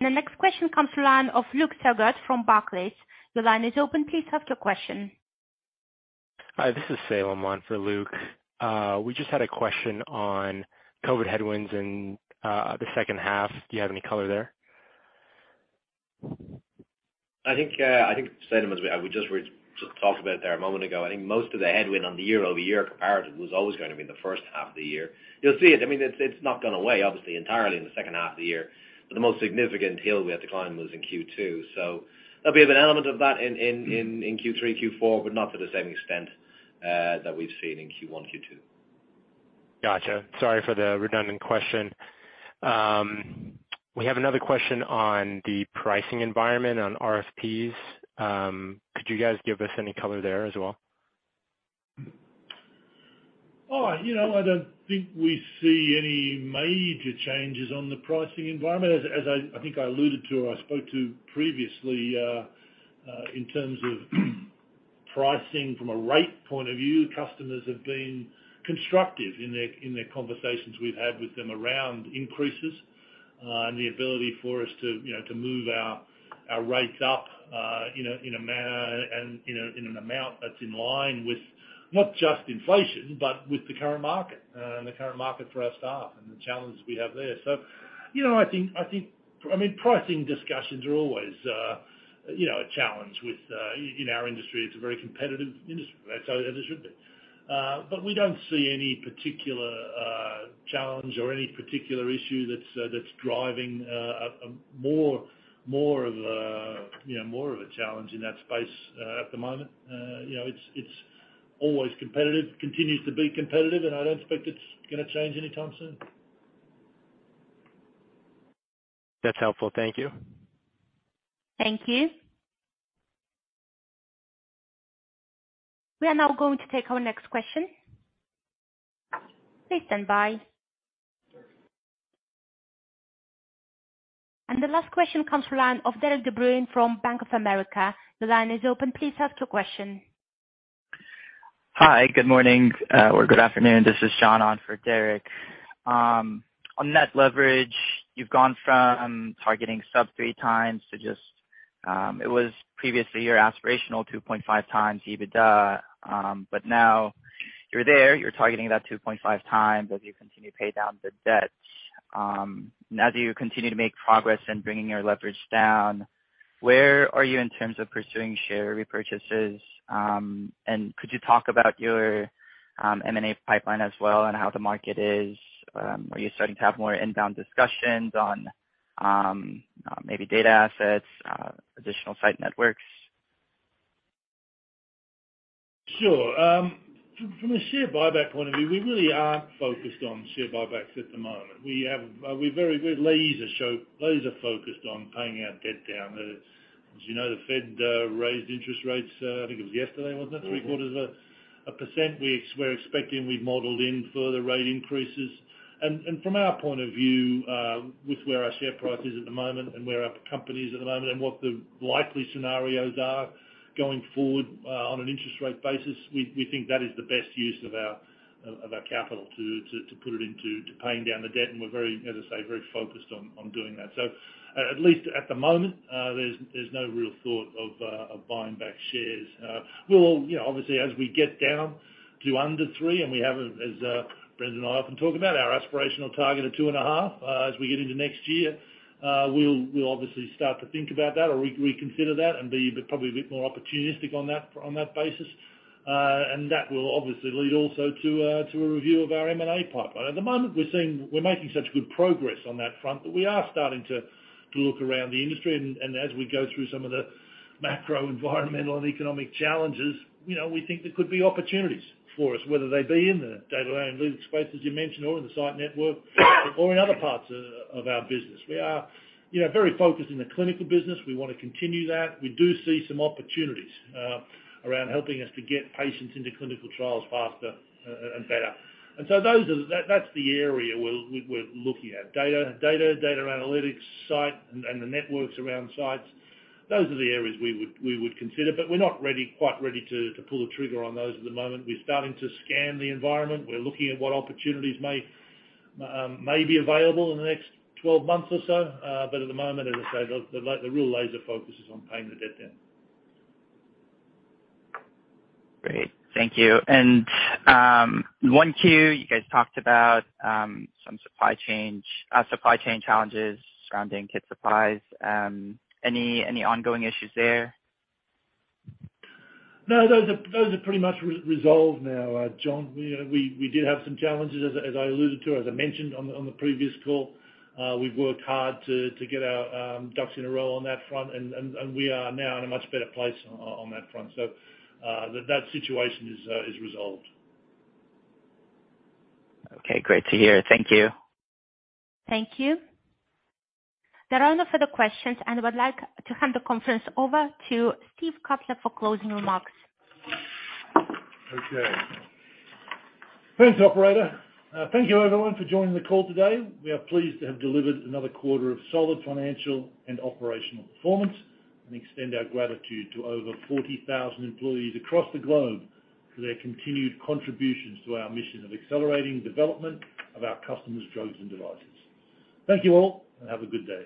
The next question comes from the line of Luke Sergott from Barclays. Your line is open. Please ask your question. Hi, this is Salem on for Luke. We just had a question on COVID headwinds in the second half. Do you have any color there? I think, Salem, as we just talked about there a moment ago. I think most of the headwind on the year-over-year comparative was always gonna be in the first half of the year. You'll see it. I mean, it's not gone away, obviously, entirely in the second half of the year, but the most significant hill we had to climb was in Q2. There'll be an element of that in Q3, Q4, but not to the same extent that we've seen in Q1, Q2. Gotcha. Sorry for the redundant question. We have another question on the pricing environment on RFPs. Could you guys give us any color there as well? Oh, you know, I don't think we see any major changes on the pricing environment. As I think I alluded to or I spoke to previously, in terms of pricing from a rate point of view, customers have been constructive in their conversations we've had with them around increases, and the ability for us to you know to move our rates up in a manner and in an amount that's in line with not just inflation, but with the current market, and the current market for our staff and the challenges we have there. You know, I think I mean, pricing discussions are always you know a challenge within our industry. It's a very competitive industry. That's how it should be. We don't see any particular challenge or any particular issue that's driving more of a challenge in that space at the moment. You know, it's always competitive, continues to be competitive, and I don't expect it's gonna change anytime soon. That's helpful. Thank you. Thank you. We are now going to take our next question. Please stand by. The last question comes to line of Derik De Bruin from Bank of America. The line is open. Please ask your question. Hi. Good morning or good afternoon. This is John on for Derik De Bruin. On net leverage, you've gone from targeting sub 3 times to just, it was previously your aspirational 2.5 times EBITDA. Now you're there, you're targeting that 2.5 times as you continue to pay down the debt. Now do you continue to make progress in bringing your leverage down? Where are you in terms of pursuing share repurchases? Could you talk about your M&A pipeline as well and how the market is? Are you starting to have more inbound discussions on maybe data assets, additional site networks? Sure. From a share buyback point of view, we really are focused on share buybacks at the moment. We're laser focused on paying our debt down. As you know, the Fed raised interest rates, I think it was yesterday, wasn't it? 0.75%. We're expecting, we've modeled in further rate increases. From our point of view, with where our share price is at the moment and where our company is at the moment and what the likely scenarios are going forward, on an interest rate basis, we think that is the best use of our capital to put it into paying down the debt. We're very, as I say, very focused on doing that. At least at the moment, there's no real thought of buying back shares. We'll, you know, obviously as we get down to under three, and we have, as Brendan and I often talk about, our aspirational target of 2.5, as we get into next year, we'll obviously start to think about that or reconsider that and be probably a bit more opportunistic on that basis. That will obviously lead also to a review of our M&A pipeline. At the moment, we're seeing, we're making such good progress on that front, but we are starting to look around the industry. As we go through some of the macro environmental and economic challenges, you know, we think there could be opportunities for us, whether they be in the data analytics space, as you mentioned, or in the site network or in other parts of our business. We are, you know, very focused in the clinical business. We wanna continue that. We do see some opportunities around helping us to get patients into clinical trials faster and better. Those are the area we're looking at. Data analytics site and the networks around sites. Those are the areas we would consider, but we're not ready to pull the trigger on those at the moment. We're starting to scan the environment. We're looking at what opportunities may be available in the next 12 months or so. At the moment, as I say, the real laser focus is on paying the debt down. Great. Thank you. In 1Q, you guys talked about some supply chain challenges surrounding kit supplies. Any ongoing issues there? No, those are pretty much resolved now, John. You know, we did have some challenges, as I alluded to, as I mentioned on the previous call. We've worked hard to get our ducks in a row on that front. We are now in a much better place on that front. That situation is resolved. Okay. Great to hear. Thank you. Thank you. There are no further questions, and I would like to hand the conference over to Steve Cutler for closing remarks. Okay. Thanks, operator. Thank you everyone for joining the call today. We are pleased to have delivered another quarter of solid financial and operational performance and extend our gratitude to over 40,000 employees across the globe for their continued contributions to our mission of accelerating development of our customers' drugs and devices. Thank you all, and have a good day.